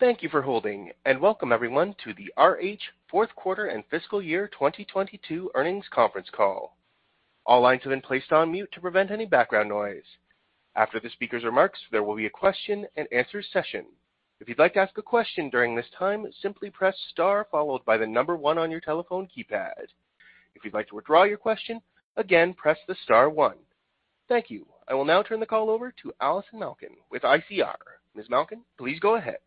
Thank you for holding. Welcome everyone to the RH fourth quarter and fiscal year 2022 earnings conference call. All lines have been placed on mute to prevent any background noise. After the speaker's remarks, there will be a question and answer session. If you'd like to ask a question during this time, simply press star followed by the number one on your telephone keypad. If you'd like to withdraw your question, again, press the star one. Thank you. I will now turn the call over to Allison Malkin with ICR. Ms. Malkin, please go ahead.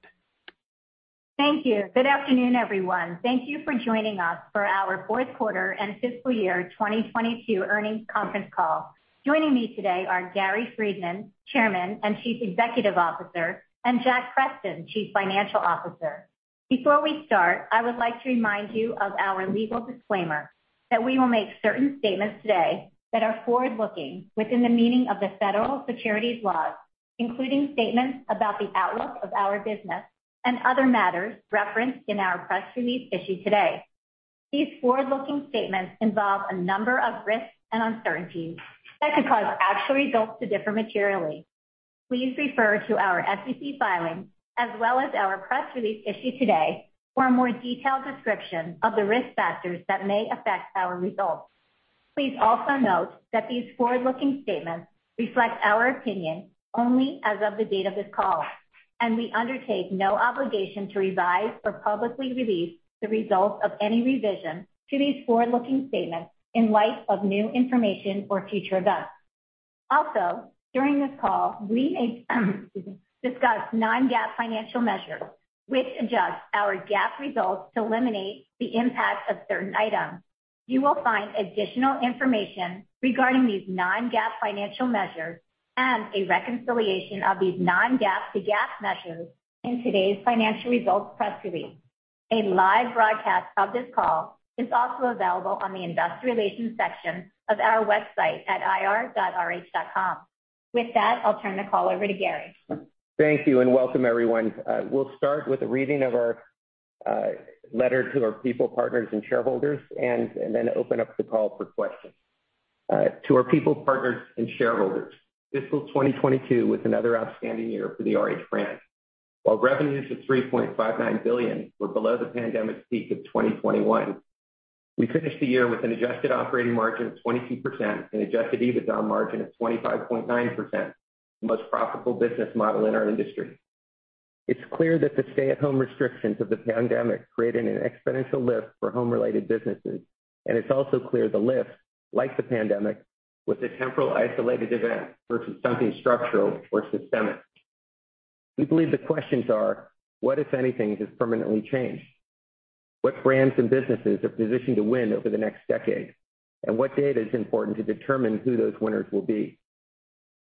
Thank you. Good afternoon, everyone. Thank you for joining us for our fourth quarter and fiscal year 2022 earnings conference call. Joining me today are Gary Friedman, Chairman and Chief Executive Officer, and Jack Preston, Chief Financial Officer. Before we start, I would like to remind you of our legal disclaimer that we will make certain statements today that are forward-looking within the meaning of the federal securities laws, including statements about the outlook of our business and other matters referenced in our press release issued today. These forward-looking statements involve a number of risks and uncertainties that could cause actual results to differ materially. Please refer to our SEC filings as well as our press release issued today for a more detailed description of the risk factors that may affect our results. Please also note that these forward-looking statements reflect our opinion only as of the date of this call, and we undertake no obligation to revise or publicly release the results of any revision to these forward-looking statements in light of new information or future events. During this call, we may excuse me, discuss Non-GAAP financial measures which adjust our GAAP results to eliminate the impact of certain items. You will find additional information regarding these Non-GAAP financial measures and a reconciliation of these Non-GAAP to GAAP measures in today's financial results press release. A live broadcast of this call is also available on the investor relations section of our website at ir.rh.com. With that, I'll turn the call over to Gary. Thank you and welcome, everyone. We'll start with a reading of our letter to our people, partners, and shareholders and then open up the call for questions. To our people, partners, and shareholders, fiscal 2022 was another outstanding year for the RH brand. While revenues of $3.59 billion were below the pandemic peak of 2021, we finished the year with an adjusted operating margin of 22% and adjusted EBITDA margin of 25.9%, the most profitable business model in our industry. It's clear that the stay-at-home restrictions of the pandemic created an exponential lift for home-related businesses. It's also clear the lift, like the pandemic, was a temporal isolated event versus something structural or systemic. We believe the questions are, what, if anything, has permanently changed? What brands and businesses are positioned to win over the next decade? What data is important to determine who those winners will be?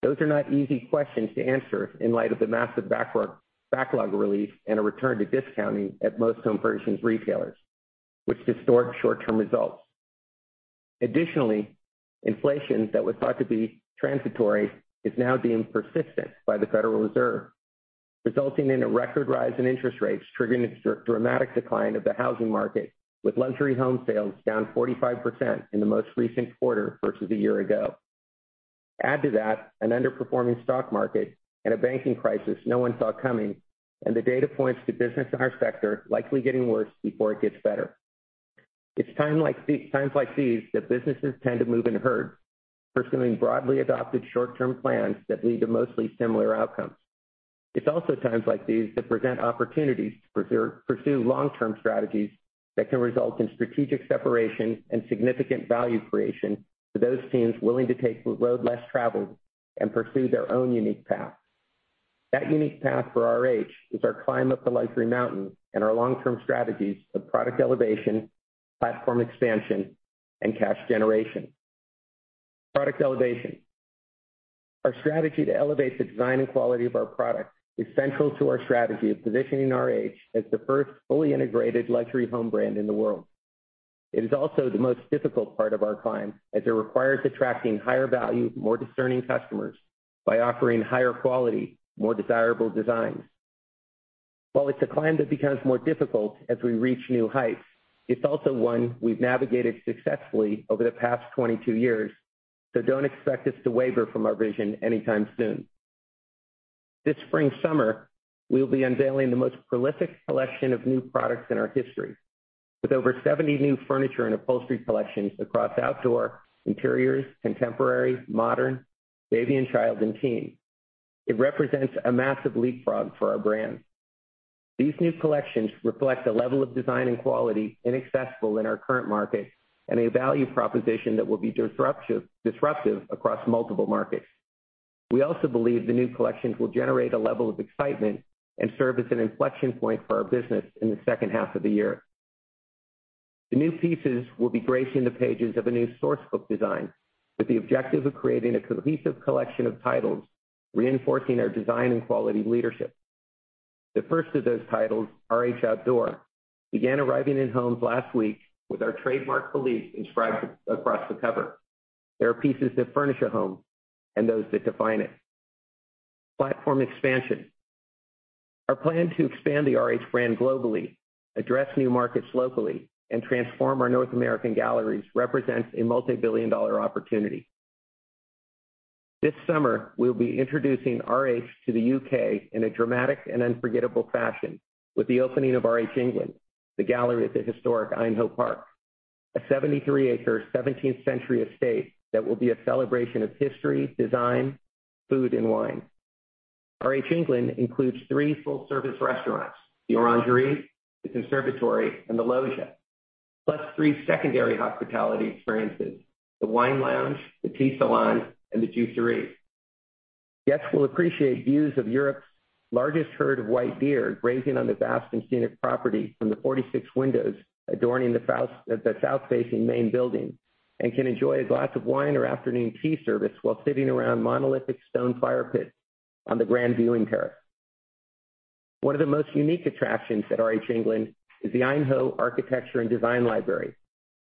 Those are not easy questions to answer in light of the massive backlog release and a return to discounting at most home furnishings retailers, which distort short-term results. Additionally, inflation that was thought to be transitory is now deemed persistent by the Federal Reserve, resulting in a record rise in interest rates, triggering a dramatic decline of the housing market, with luxury home sales down 45% in the most recent quarter versus a year ago. Add to that an underperforming stock market and a banking crisis no one saw coming, and the data points to business in our sector likely getting worse before it gets better. It's times like these that businesses tend to move in herds, pursuing broadly adopted short-term plans that lead to mostly similar outcomes. It's also times like these that present opportunities to pursue long-term strategies that can result in strategic separation and significant value creation for those teams willing to take the road less traveled and pursue their own unique path. That unique path for RH is our climb up the luxury mountain and our long-term strategies of product elevation, platform expansion, and cash generation. Product elevation. Our strategy to elevate the design and quality of our products is central to our strategy of positioning RH as the first fully integrated luxury home brand in the world. It is also the most difficult part of our climb, as it requires attracting higher value, more discerning customers by offering higher quality, more desirable designs. While it's a climb that becomes more difficult as we reach new heights, it's also one we've navigated successfully over the past 22 years, so don't expect us to waver from our vision anytime soon. This spring/summer, we'll be unveiling the most prolific collection of new products in our history. With over 70 new furniture and upholstery collections across Outdoor, interiors, Contemporary, Modern, baby and child, and teen. It represents a massive leapfrog for our brand. These new collections reflect a level of design and quality inaccessible in our current market and a value proposition that will be disruptive across multiple markets. We also believe the new collections will generate a level of excitement and serve as an inflection point for our business in the second half of the year. The new pieces will be gracing the pages of a new source book design with the objective of creating a cohesive collection of titles, reinforcing our design and quality leadership. The first of those titles, RH Outdoor, began arriving in homes last week with our trademark belief inscribed across the cover. There are pieces that furnish a home and those that define it. Platform expansion. Our plan to expand the RH brand globally, address new markets locally, and transform our North American galleries represents a multibillion-dollar opportunity. This summer, we'll be introducing RH to the U.K. in a dramatic and unforgettable fashion with the opening of RH England, the gallery at the historic Aynho Park, a 73 acre 17th-century estate that will be a celebration of history, design, food, and wine. RH England includes three full-service restaurants, the Orangery, the Conservatory, and the Loggia, plus three secondary hospitality experiences, the Wine Lounge, the Tea Salon, and the Juicery. Guests will appreciate views of Europe's largest herd of white deer grazing on the vast and scenic property from the 46 windows adorning the south-facing main building, and can enjoy a glass of wine or afternoon tea service while sitting around monolithic stone fire pits on the grand viewing terrace. One of the most unique attractions at RH England is the Aynho Architecture & Design Library,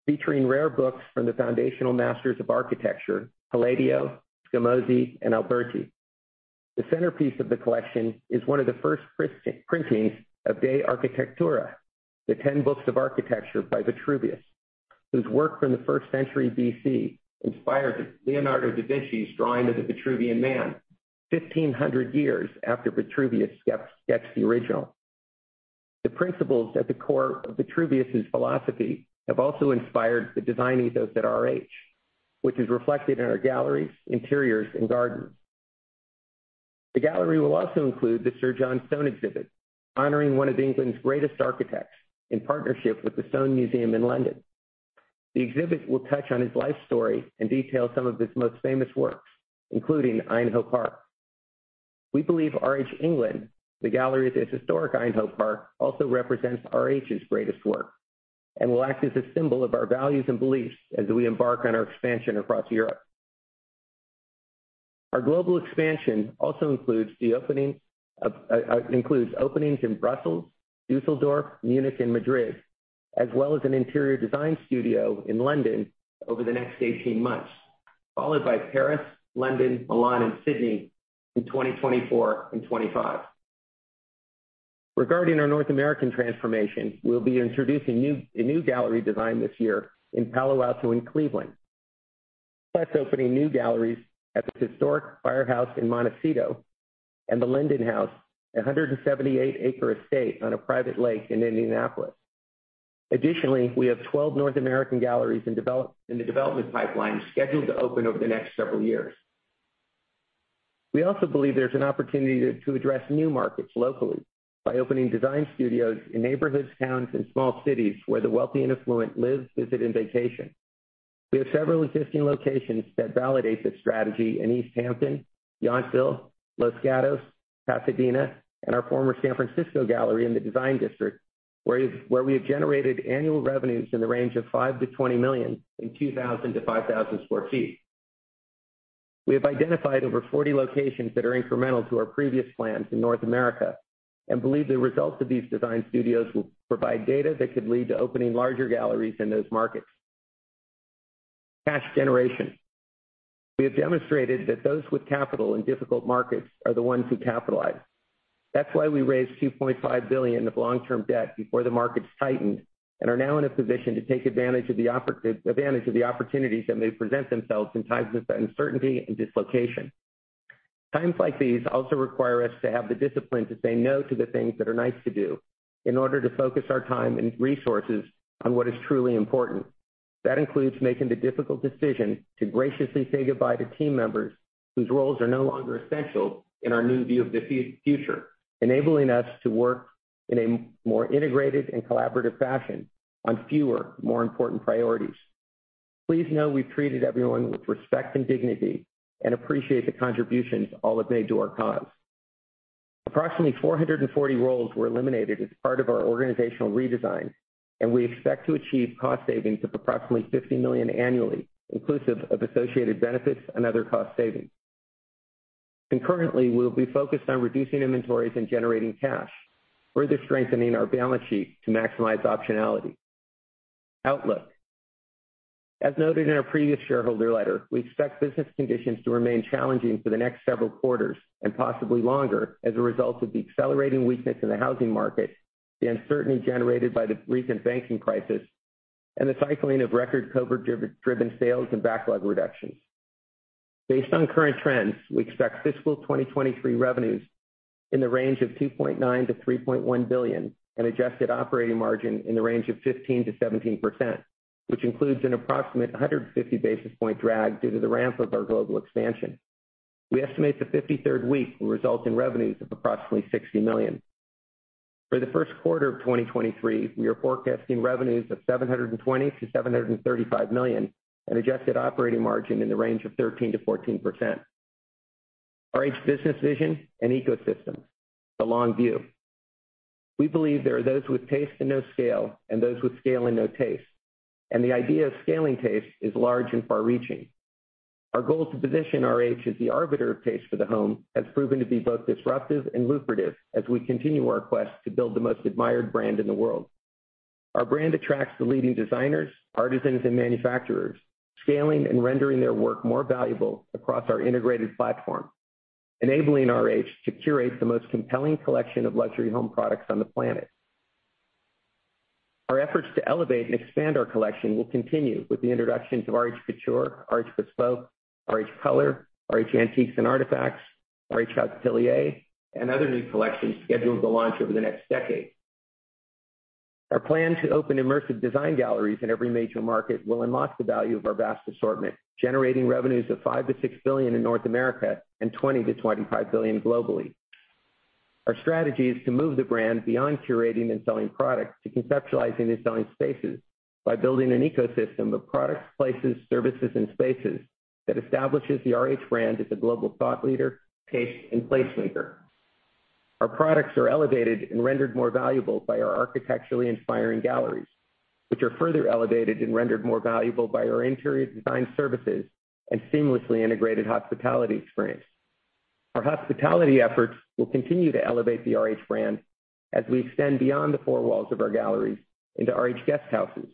featuring rare books from the foundational masters of architecture, Palladio, Scamozzi, and Alberti. The centerpiece of the collection is one of the first printings of De Architectura, The Ten Books of Architecture by Vitruvius, whose work from the 1st century BC inspired Leonardo da Vinci's drawing of the Vitruvian Man 1,500 years after Vitruvius sketched the original. The principles at the core of Vitruvius' philosophy have also inspired the design ethos at RH, which is reflected in our galleries, interiors, and gardens. The gallery will also include the Sir John Soane exhibit, honoring one of England's greatest architects in partnership with the Soane Museum in London. The exhibit will touch on his life story and detail some of his most famous works, including Aynho Park. We believe RH England, the gallery at this historic Aynho Park, also represents RH's greatest work and will act as a symbol of our values and beliefs as we embark on our expansion across Europe. Our global expansion also includes openings in Brussels, Düsseldorf, Munich, and Madrid, as well as an interior design studio in London over the next 18 months, followed by Paris, London, Milan, and Sydney in 2024 and 2025. Regarding our North American transformation, we'll be introducing a new gallery design this year in Palo Alto and Cleveland, plus opening new galleries at the historic Firehouse in Montecito and The Linden House, a 178 acre estate on a private lake in Indianapolis. Additionally, we have 12 North American galleries in the development pipeline scheduled to open over the next several years. We also believe there's an opportunity to address new markets locally by opening design studios in neighborhoods, towns, and small cities where the wealthy and affluent live, visit, and vacation. We have several existing locations that validate this strategy in East Hampton, Yountville, Los Gatos, Pasadena, and our former San Francisco gallery in the Design District, where we have generated annual revenues in the range of $5 million-$20 million in 2,000-5,000 sq ft. We have identified over 40 locations that are incremental to our previous plans in North America and believe the results of these design studios will provide data that could lead to opening larger galleries in those markets. Cash generation. We have demonstrated that those with capital in difficult markets are the ones who capitalize. That's why we raised $2.5 billion of long-term debt before the markets tightened and are now in a position to take advantage of the opportunities that may present themselves in times of uncertainty and dislocation. Times like these also require us to have the discipline to say no to the things that are nice to do in order to focus our time and resources on what is truly important. That includes making the difficult decision to graciously say goodbye to team members whose roles are no longer essential in our new view of the future, enabling us to work in a more integrated and collaborative fashion on fewer, more important priorities. Please know we've treated everyone with respect and dignity and appreciate the contributions all have made to our cause. Approximately 440 roles were eliminated as part of our organizational redesign, and we expect to achieve cost savings of approximately $50 million annually, inclusive of associated benefits and other cost savings. Concurrently, we'll be focused on reducing inventories and generating cash, further strengthening our balance sheet to maximize optionality. Outlook. As noted in our previous shareholder letter, we expect business conditions to remain challenging for the next several quarters and possibly longer as a result of the accelerating weakness in the housing market, the uncertainty generated by the recent banking crisis, and the cycling of record COVID-driven sales and backlog reductions. Based on current trends, we expect fiscal 2023 revenues in the range of $2.9 billion-$3.1 billion and adjusted operating margin in the range of 15%-17%, which includes an approximate 150 basis point drag due to the ramp of our global expansion. We estimate the 53rd week will result in revenues of approximately $60 million. For the 1st quarter of 2023, we are forecasting revenues of $720 million-$735 million and adjusted operating margin in the range of 13%-14%. RH business vision and ecosystem, the long view. We believe there are those with taste and no scale and those with scale and no taste, and the idea of scaling taste is large and far-reaching. Our goal to position RH as the arbiter of taste for the home has proven to be both disruptive and lucrative as we continue our quest to build the most admired brand in the world. Our brand attracts the leading designers, artisans, and manufacturers, scaling and rendering their work more valuable across our integrated platform, enabling RH to curate the most compelling collection of luxury home products on the planet. Our efforts to elevate and expand our collection will continue with the introductions of RH Couture, RH Bespoke, RH Color, RH Antiques and Artifacts, RH Hospitalier, and other new collections scheduled to launch over the next decade. Our plan to open immersive design galleries in every major market will unlock the value of our vast assortment, generating revenues of $5 billion-$6 billion in North America and $20 billion-$25 billion globally. Our strategy is to move the brand beyond curating and selling products to conceptualizing and selling spaces by building an ecosystem of products, places, services and spaces that establishes the RH brand as a global thought leader, taste and place maker. Our products are elevated and rendered more valuable by our architecturally inspiring galleries, which are further elevated and rendered more valuable by our interior design services and seamlessly integrated hospitality experience. Our hospitality efforts will continue to elevate the RH brand as we extend beyond the four walls of our galleries into RH guest houses,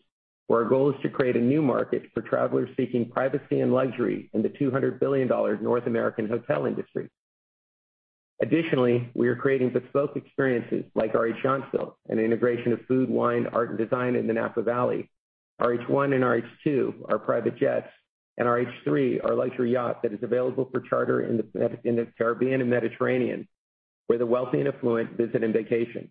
where our goal is to create a new market for travelers seeking privacy and luxury in the $200 billion North American hotel industry. Additionally, we are creating bespoke experiences like RH Yountville, an integration of food, wine, art and design in the Napa Valley. RH One and RH Two are private jets, and RH Three, our luxury yacht that is available for charter in the Caribbean and Mediterranean, where the wealthy and affluent visit and vacation.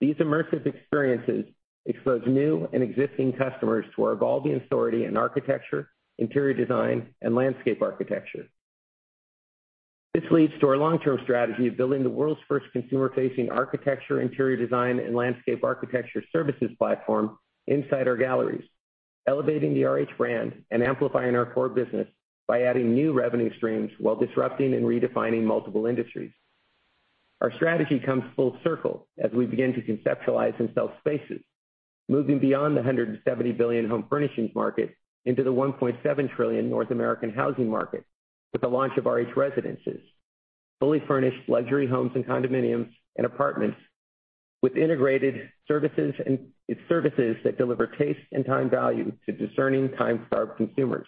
These immersive experiences expose new and existing customers to our evolving authority in architecture, interior design and landscape architecture. This leads to our long-term strategy of building the world's first consumer-facing architecture, interior design and landscape architecture services platform inside our galleries, elevating the RH brand and amplifying our core business by adding new revenue streams while disrupting and redefining multiple industries. Our strategy comes full circle as we begin to conceptualize and sell spaces, moving beyond the $170 billion home furnishings market into the $1.7 trillion North American housing market with the launch of RH Residences, fully furnished luxury homes and condominiums and apartments with integrated services and services that deliver taste and time value to discerning, time-starved consumers.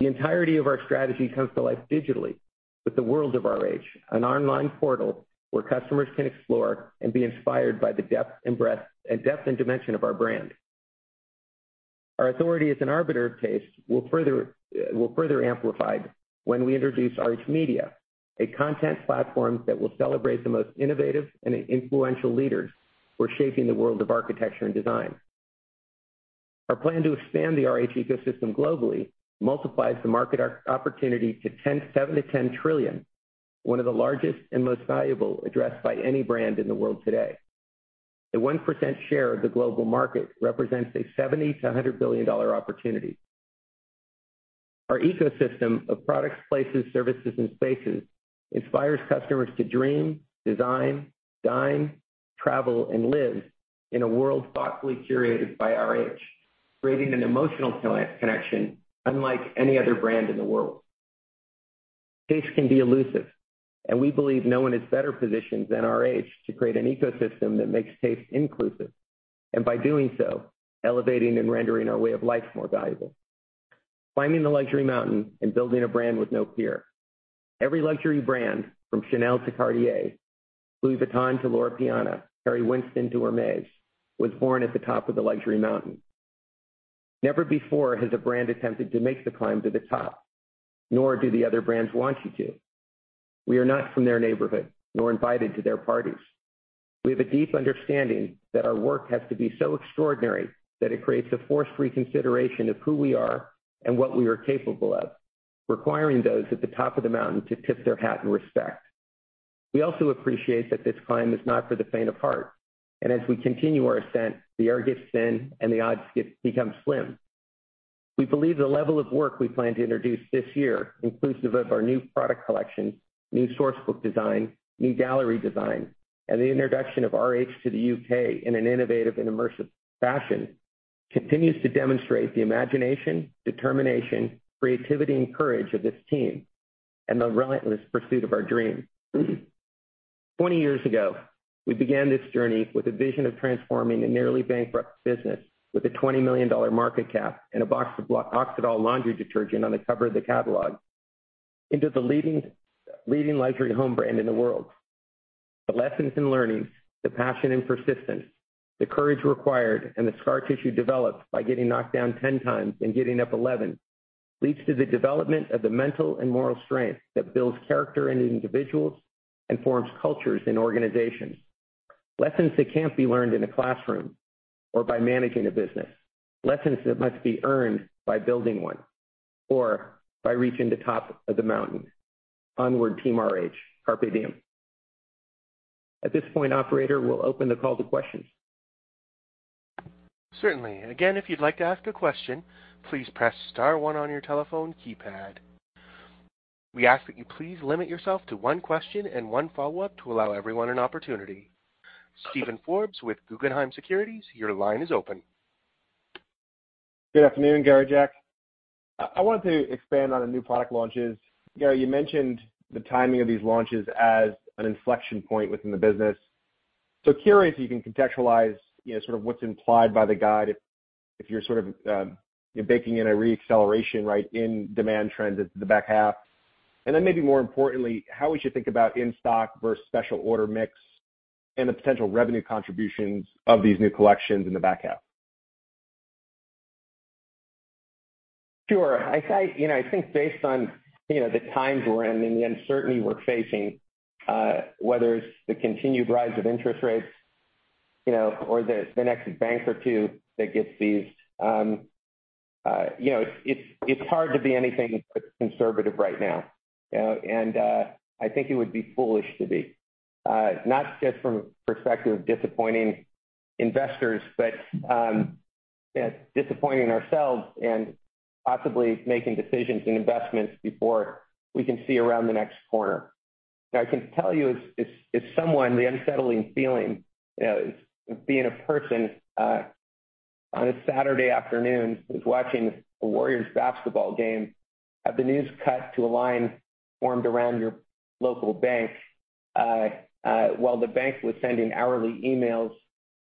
The entirety of our strategy comes to life digitally with the World of RH, an online portal where customers can explore and be inspired by the depth and dimension of our brand. Our authority as an arbiter of taste will further amplified when we introduce RH Media, a content platform that will celebrate the most innovative and influential leaders who are shaping the world of architecture and design. Our plan to expand the RH ecosystem globally multiplies the market opportunity to $7 trillion-$10 trillion, one of the largest and most valuable addressed by any brand in the world today. The 1% share of the global market represents a $70 billion-$100 billion opportunity. Our ecosystem of products, places, services and spaces inspires customers to dream, design, dine, travel and live in a world thoughtfully curated by RH, creating an emotional connection unlike any other brand in the world. We believe no one is better positioned than RH to create an ecosystem that makes taste inclusive, and by doing so, elevating and rendering our way of life more valuable. Building a brand with no fear. Every luxury brand from Chanel to Cartier, Louis Vuitton to Loro Piana, Harry Winston to Hermès, was born at the top of the luxury mountain. Never before has a brand attempted to make the climb to the top, nor do the other brands want you to. We are not from their neighborhood nor invited to their parties. We have a deep understanding that our work has to be so extraordinary that it creates a forced reconsideration of who we are and what we are capable of, requiring those at the top of the mountain to tip their hat in respect. We also appreciate that this climb is not for the faint of heart. As we continue our ascent, the air gets thin and the odds become slim. We believe the level of work we plan to introduce this year, inclusive of our new product collections, new source book design, new gallery design, and the introduction of RH to the U.K. in an innovative and immersive fashion, continues to demonstrate the imagination, determination, creativity and courage of this team and the relentless pursuit of our dream. 20 years ago, we began this journey with a vision of transforming a nearly bankrupt business with a $20 million market cap and a box of Oxydol laundry detergent on the cover of the catalog into the leading luxury home brand in the world. The lessons in learning, the passion and persistence, the courage required, and the scar tissue developed by getting knocked down 10 times and getting up 11 leads to the development of the mental and moral strength that builds character in individuals and forms cultures in organizations. Lessons that can't be learned in a classroom or by managing a business. Lessons that must be earned by building one or by reaching the top of the mountain. Onward, Team RH. Carpe diem. At this point, operator, we'll open the call to questions. Certainly. Again, if you'd like to ask a question, please press star one on your telephone keypad. We ask that you please limit yourself to one question and one follow-up to allow everyone an opportunity. Steven Forbes with Guggenheim Securities, your line is open. Good afternoon, Gary, Jack. I wanted to expand on the new product launches. Gary, you mentioned the timing of these launches as an inflection point within the business. Curious if you can contextualize, you know, sort of what's implied by the guide if you're sort of, you're baking in a re-acceleration, right, in demand trends at the back half? Then maybe more importantly, how we should think about in-stock versus special order mix and the potential revenue contributions of these new collections in the back half? Sure. I think, you know, I think based on, you know, the times we're in and the uncertainty we're facing, whether it's the continued rise of interest rates, you know, or the next bank or two that gets these, you know, it's hard to be anything but conservative right now. You know, I think it would be foolish to be. Not just from a perspective of disappointing investors, but, disappointing ourselves and possibly making decisions and investments before we can see around the next corner. I can tell you as someone, the unsettling feeling, you know, being a person, on a Saturday afternoon who's watching a Warriors basketball game, have the news cut to a line formed around your local bank, while the bank was sending hourly emails,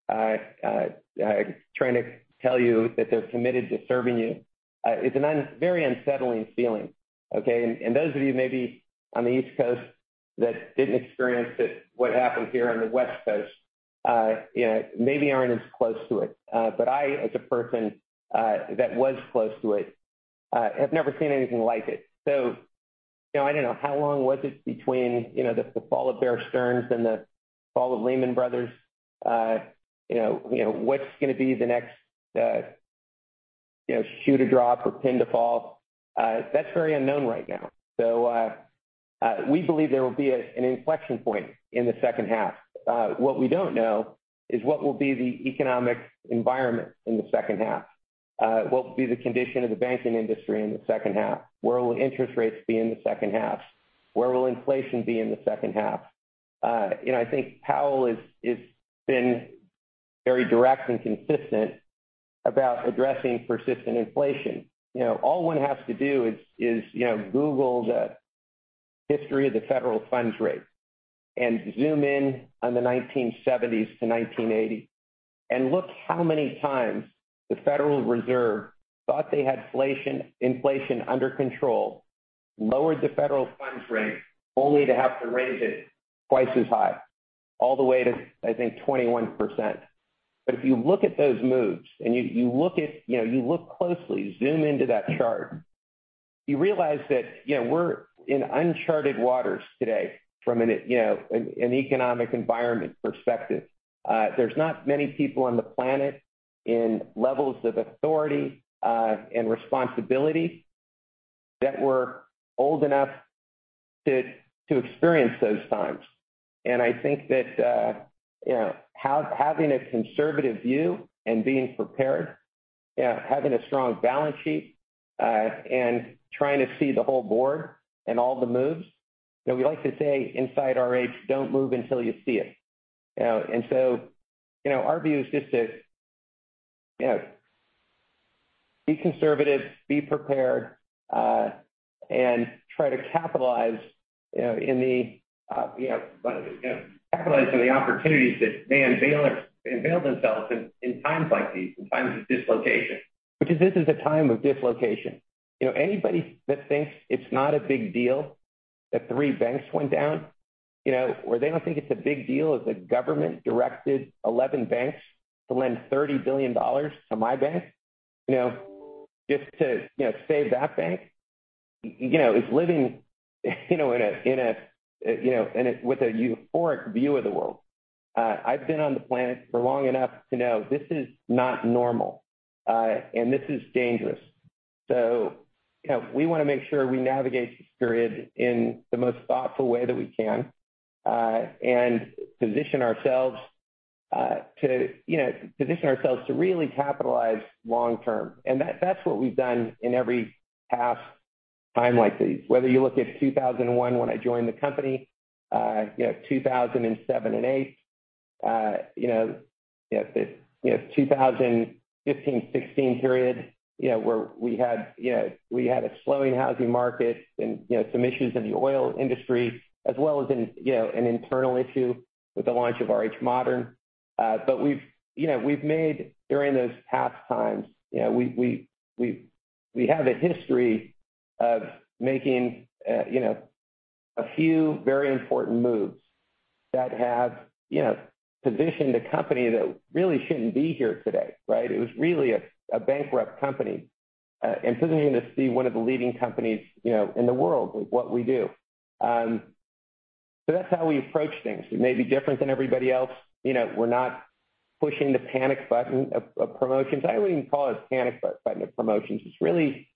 trying to tell you that they're committed to serving you. It's a very unsettling feeling, okay? Those of you maybe on the East Coast that didn't experience it, what happened here on the West Coast, you know, maybe aren't as close to it. But I, as a person, that was close to it, have never seen anything like it. You know, I don't know, how long was it between, you know, the fall of Bear Stearns and the fall of Lehman Brothers? You know, you know, what's going to be the next, you know, shoe to drop or pin to fall? That's very unknown right now. We believe there will be an inflection point in the second half. What we don't know is what will be the economic environment in the second half? What will be the condition of the banking industry in the second half? Where will interest rates be in the second half? Where will inflation be in the second half? You know, I think Powell has been very direct and consistent about addressing persistent inflation. You know, all one has to do is, you know, Google the history of the federal funds rate and zoom in on the 1970s to 1980 and look how many times the Federal Reserve thought they had inflation under control, lowered the federal funds rate, only to have to raise it twice as high, all the way to, I think, 21%. If you look at those moves and you look at, you know, you look closely, zoom into that chart, you realize that, you know, we're in uncharted waters today from an, you know, an economic environment perspective. There's not many people on the planet in levels of authority and responsibility that were old enough to experience those times. I think that, you know, having a conservative view and being prepared, having a strong balance sheet, and trying to see the whole board and all the moves. You know, we like to say inside RH, "Don't move until you see it." You know, our view is just to, you know, be conservative, be prepared, and try to capitalize, you know, in the, you know, capitalize on the opportunities that may unveil themselves in times like these, in times of dislocation. Which is, this is a time of dislocation. You know, anybody that thinks it's not a big deal that three banks went down, you know, or they don't think it's a big deal that the government directed 11 banks to lend $30 billion to my bank, you know, just to, you know, save that bank. You know, is living, you know, in a, you know, with a euphoric view of the world. I've been on the planet for long enough to know this is not normal, and this is dangerous. You know, we wanna make sure we navigate this period in the most thoughtful way that we can, and position ourselves, to, you know, position ourselves to really capitalize long-term. That's what we've done in every past time like these. Whether you look at 2001 when I joined the company, you know, 2007 and 2008, you know, the 2015, 2016 period, you know, where we had, you know, we had a slowing housing market and, you know, some issues in the oil industry, as well as an, you know, an internal issue with the launch of RH Modern. We've, you know, we've made during those past times, you know, we have a history of making, you know, a few very important moves that have, you know, positioned a company that really shouldn't be here today, right? It was really a bankrupt company, and positioning to see one of the leading companies, you know, in the world with what we do. That's how we approach things. We may be different than everybody else. You know, we're not pushing the panic button of promotions. I wouldn't even call it a panic button of promotions. It's really,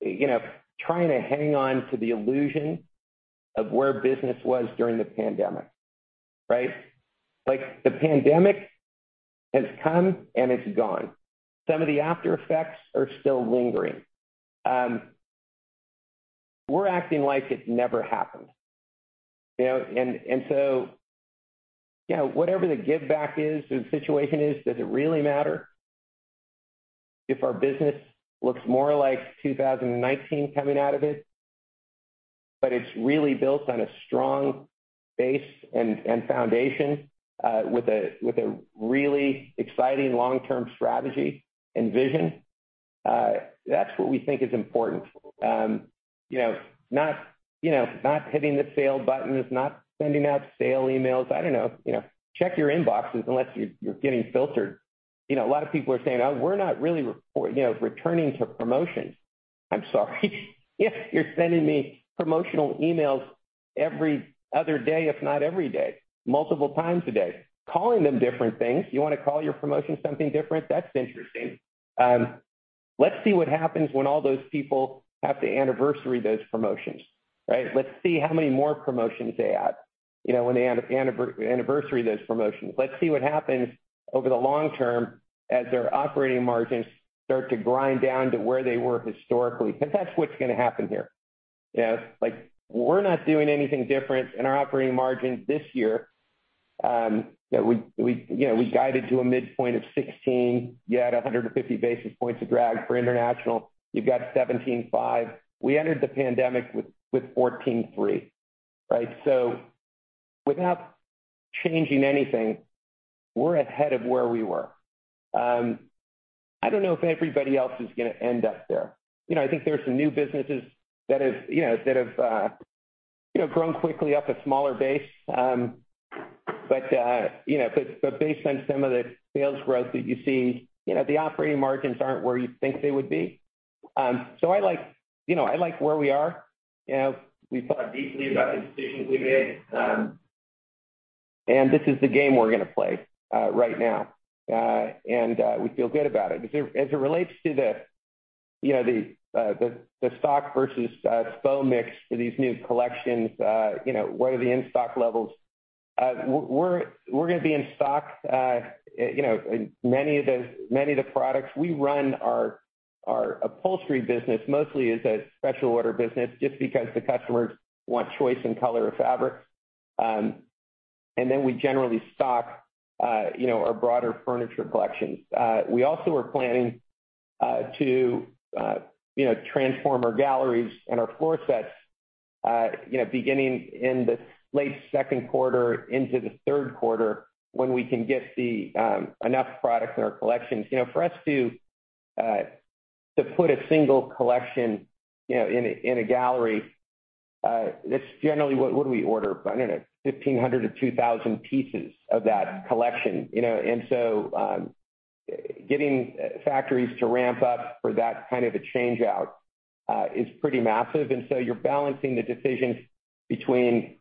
you know, trying to hang on to the illusion of where business was during the pandemic, right? Like, the pandemic has come and it's gone. Some of the aftereffects are still lingering. We're acting like it never happened, you know? Whatever the give back is or the situation is, does it really matter if our business looks more like 2019 coming out of it. It's really built on a strong base and foundation, with a really exciting long-term strategy and vision. That's what we think is important. You know, not hitting the sale button, it's not sending out sale emails. I don't know, you know, check your inboxes unless you're getting filtered. You know, a lot of people are saying, "Oh, we're not really returning to promotions." I'm sorry. You're sending me promotional emails every other day, if not every day, multiple times a day, calling them different things. You wanna call your promotion something different? That's interesting. Let's see what happens when all those people have to anniversary those promotions, right? Let's see how many more promotions they add, you know, when they anniversary those promotions. Let's see what happens over the long-term as their operating margins start to grind down to where they were historically, 'cause that's what's gonna happen here. You know, like, we're not doing anything different in our operating margins this year, that we, you know, we guided to a midpoint of 16%, you had 150 basis points of drag for international. You've got 17.5%. We entered the pandemic with 14.3%, right? Without changing anything, we're ahead of where we were. I don't know if everybody else is gonna end up there. You know, I think there are some new businesses that have, you know, grown quickly off a smaller base, but, you know, based on some of the sales growth that you see, you know, the operating margins aren't where you think they would be. I like, you know, I like where we are. You know, we've thought deeply about the decisions we made, this is the game we're gonna play right now. We feel good about it. As it relates to the, you know, the stock versus SPO mix for these new collections, you know, what are the in-stock levels? We're gonna be in stock, you know, in many of the products. We run our upholstery business mostly as a special order business just because the customers want choice in color or fabric. Then we generally stock, you know, our broader furniture collections. We also are planning to, you know, transform our galleries and our floor sets, you know, beginning in the late second quarter into the third quarter when we can get enough product in our collections. You know, for us to put a single collection, you know, in a gallery, it's generally what do we order? I don't know, 1,500 to 2,000 pieces of that collection, you know. Getting factories to ramp up for that kind of a change-out is pretty massive. You're balancing the decisions between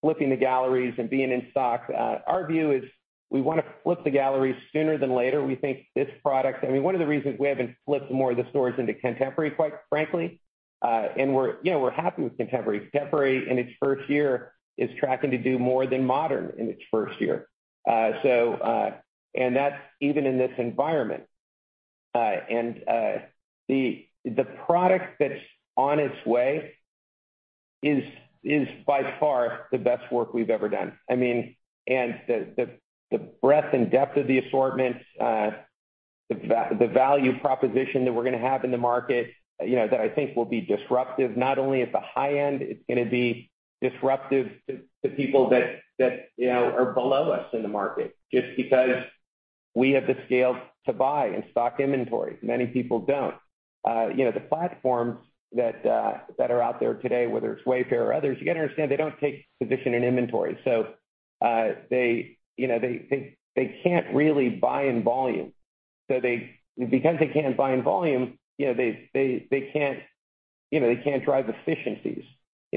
flipping the galleries and being in stock. Our view is we wanna flip the galleries sooner than later. We think this product... I mean, one of the reasons we haven't flipped more of the stores into Contemporary, quite frankly, and we're, you know, we're happy with Contemporary. Contemporary in its first year is tracking to do more than Modern in its first year. That's even in this environment. The product that's on its way is by far the best work we've ever done. I mean. The breadth and depth of the assortment, the value proposition that we're gonna have in the market, you know, that I think will be disruptive, not only at the high end, it's gonna be disruptive to people that, you know, are below us in the market, just because we have the scale to buy and stock inventory. Many people don't. you know, the platforms that are out there today, whether it's Wayfair or others, you gotta understand, they don't take position in inventory. they, you know, they can't really buy in volume. Because they can't buy in volume, you know, they can't, you know, they can't drive efficiencies.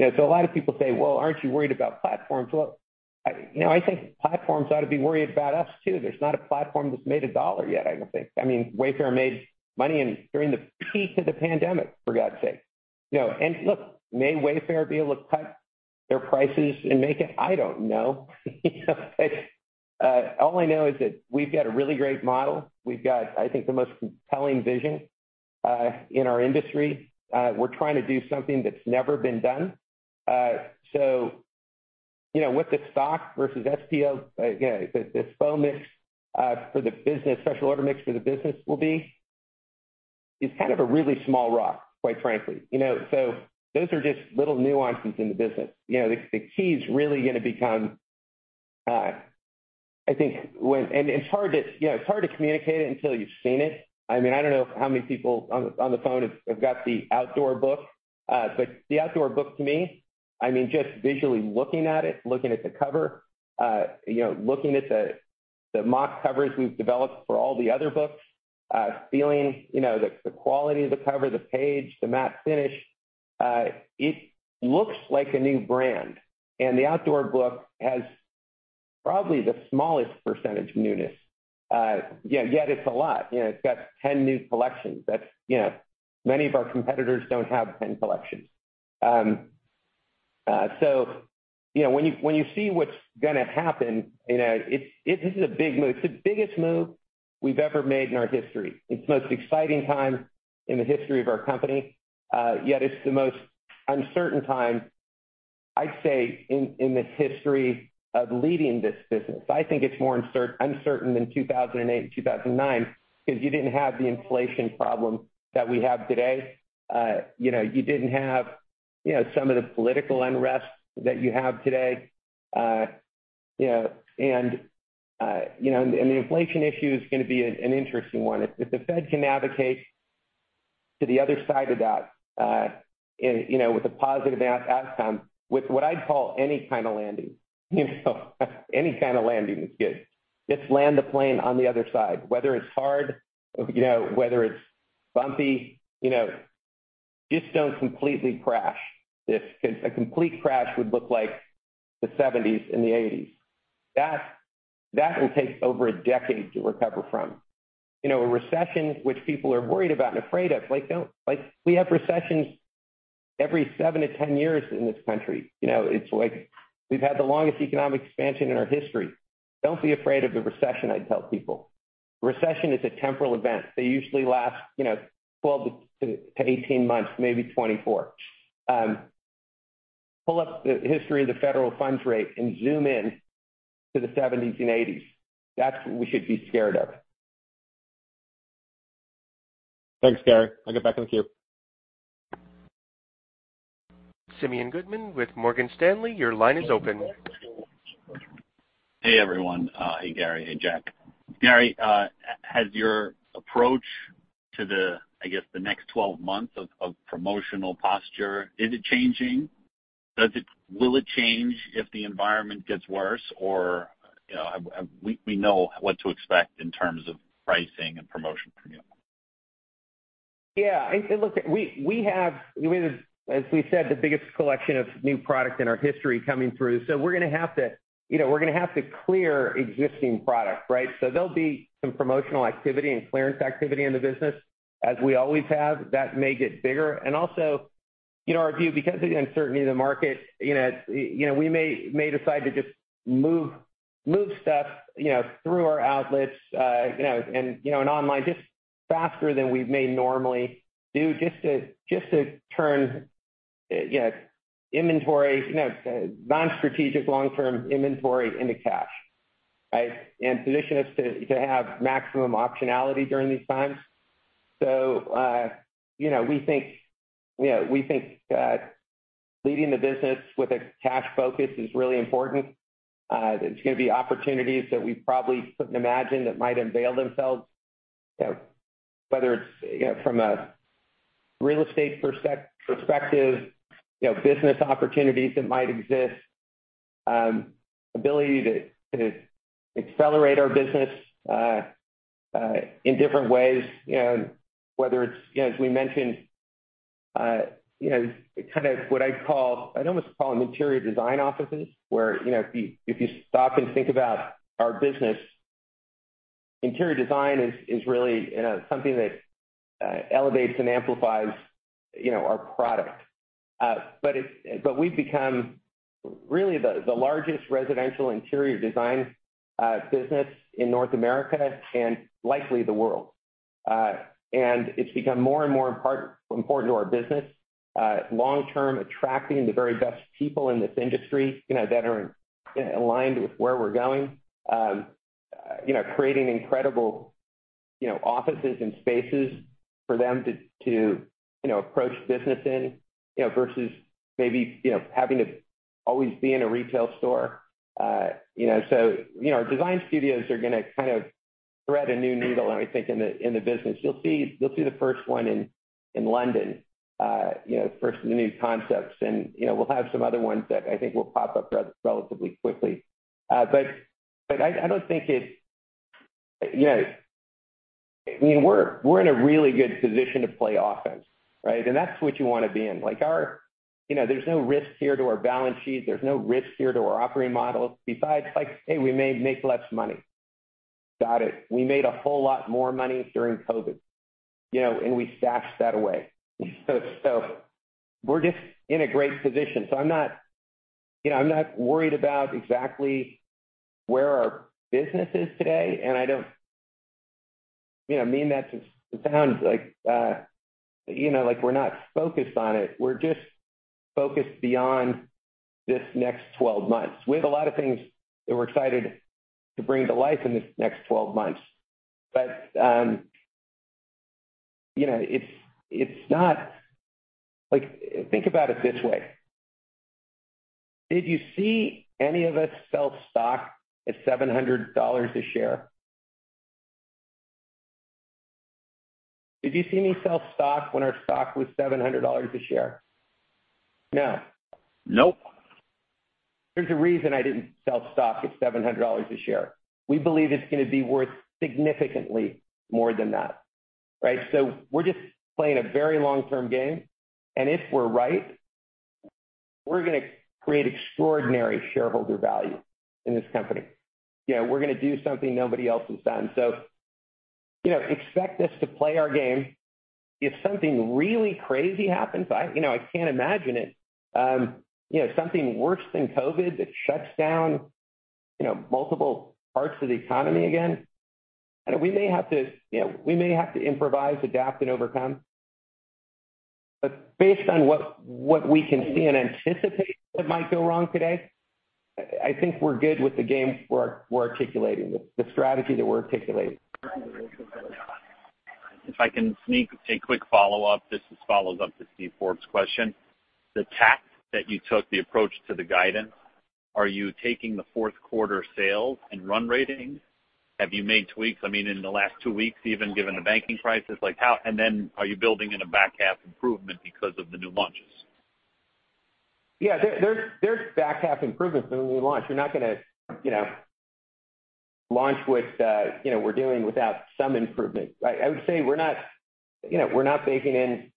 a lot of people say, "Well, aren't you worried about platforms?" Look, I, you know, I think platforms ought to be worried about us too. There's not a platform that's made a dollar yet, I don't think. I mean, Wayfair made money during the peak of the pandemic, for God's sake. look, may Wayfair be able to cut their prices and make it? I don't know. You know? all I know is that we've got a really great model. We've got, I think, the most compelling vision in our industry. We're trying to do something that's never been done. What the stock versus SPO, you know, the SPO mix for the business, special order mix for the business will be, is kind of a really small rock, quite frankly. You know, those are just little nuances in the business. You know, the key is really gonna become, I think when... It's hard to, you know, it's hard to communicate it until you've seen it. I mean, I don't know how many people on the, on the phone have got the outdoor book. The outdoor book to me, I mean, just visually looking at it, looking at the cover, you know, looking at the mock covers we've developed for all the other books, feeling, you know, the quality of the cover, the page, the matte finish, it looks like a new brand. The outdoor book has probably the smallest percentage of newness. You know, yet it's a lot. You know, it's got 10 new collections. That's, you know. Many of our competitors don't have 10 collections. You know, when you see what's gonna happen, you know, it's a big move. It's the biggest move we've ever made in our history. It's the most exciting time in the history of our company, yet it's the most uncertain time, I'd say in this history of leading this business. I think it's more uncertain than 2008 and 2009, 'cause you didn't have the inflation problem that we have today. You know, you didn't have, you know, some of the political unrest that you have today. The inflation issue is gonna be an interesting one. If, if the Fed can navigate to the other side of that, and, you know, with a positive outcome with what I'd call any kind of landing, you know? Any kind of landing is good. Just land the plane on the other side, whether it's hard, you know, whether it's bumpy, you know. Just don't completely crash. If cause a complete crash would look like the seventies and the eighties. That will take over a decade to recover from. You know, a recession, which people are worried about and afraid of. Like, we have recessions every 7 to 10 years in this country, you know? It's like we've had the longest economic expansion in our history. Don't be afraid of the recession, I tell people. Recession is a temporal event. They usually last, you know, 12 to 18 months, maybe 24. Pull up the history of the federal funds rate and zoom in to the seventies and eighties. That's what we should be scared of. Thanks, Gary. I'll get back in the queue. Simeon Gutman with Morgan Stanley, your line is open. Hey, everyone. Hey, Gary. Hey, Jack. Gary, has your approach to the, I guess, the next 12 months of promotional posture, is it changing? Will it change if the environment gets worse? You know, we know what to expect in terms of pricing and promotion from you. Yeah. Look, we have, you know, as we said, the biggest collection of new product in our history coming through. You know, we're gonna have to clear existing product, right? There'll be some promotional activity and clearance activity in the business as we always have. That may get bigger. Also, you know, our view because of the uncertainty in the market, you know, we may decide to just move stuff, you know, through our outlets, you know, and online just faster than we may normally do, just to turn, you know, inventory, you know, non-strategic long-term inventory into cash, right? Position us to have maximum optionality during these times. You know, we think, you know, we think leading the business with a cash focus is really important. There's gonna be opportunities that we probably couldn't imagine that might unveil themselves. You know, whether it's, you know, from a real estate perspective, you know, business opportunities that might exist, ability to accelerate our business in different ways. You know, whether it's, you know, as we mentioned, you know, kind of what I'd almost call them interior design offices, where, you know, if you, if you stop and think about our business, interior design is really, you know, something that elevates and amplifies, you know, our product. We've become really the largest residential interior design business in North America and likely the world. It's become more and more important to our business. long-term, attracting the very best people in this industry, you know, that are aligned with where we're going. You know, creating incredible, you know, offices and spaces for them to, you know, approach business in, you know, versus maybe, you know, having to always be in a retail store. You know, our design studios are gonna kind of thread a new needle, I think, in the business. You'll see the first one in London, you know, first of the new concepts. You know, we'll have some other ones that I think will pop up relatively quickly. I don't think it... You know, I mean, we're in a really good position to play offense, right? That's what you wanna be in. You know, there's no risk here to our balance sheets. There's no risk here to our operating models besides, like, hey, we may make less money. Got it. We made a whole lot more money during COVID, you know, and we stashed that away. We're just in a great position. I'm not... You know, I'm not worried about exactly where our business is today, and I don't... You know, I mean that to sound like, you know, like we're not focused on it. We're just focused beyond this next 12 months. We have a lot of things that we're excited to bring to life in this next 12 months. You know, it's not... Like, think about it this way. Did you see any of us sell stock at $700 a share? Did you see me sell stock when our stock was $700 a share? No. Nope. There's a reason I didn't sell stock at $700 a share. We believe it's gonna be worth significantly more than that, right? We're just playing a very long-term game, and if we're right, we're gonna create extraordinary shareholder value in this company. You know, we're gonna do something nobody else has done. You know, expect us to play our game. If something really crazy happens, you know, I can't imagine it, you know, something worse than COVID that shuts down, you know, multiple parts of the economy again. We may have to, you know, we may have to improvise, adapt, and overcome. Based on what we can see and anticipate that might go wrong today, I think we're good with the game we're articulating, with the strategy that we're articulating. If I can sneak a quick follow-up. This is follows up to Steven Forbes' question. The tact that you took, the approach to the guidance, are you taking the fourth quarter sales and run rating? Have you made tweaks, I mean, in the last two weeks, even given the banking crisis? Like how? Then are you building in a back half improvement because of the new launches? Yeah. There's back half improvements when we launch. We're not gonna, you know, launch with, you know, we're doing without some improvement. I would say we're not, you know, we're not baking in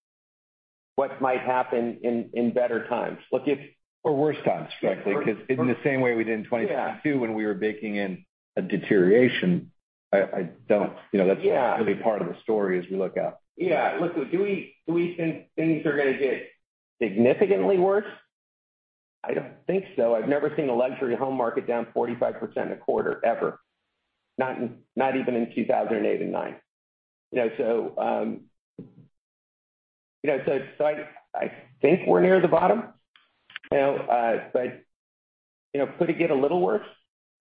what might happen in better times. Look, if- Worse times, frankly, 'cause in the same way we did in 2022 when we were baking in a deterioration, I don't. You know, that's not really part of the story as we look out. Yeah. Look, do we think things are gonna get significantly worse? I don't think so. I've never seen a luxury home market down 45% a quarter ever, not even in 2008 and 2009. I think we're near the bottom, you know, could it get a little worse?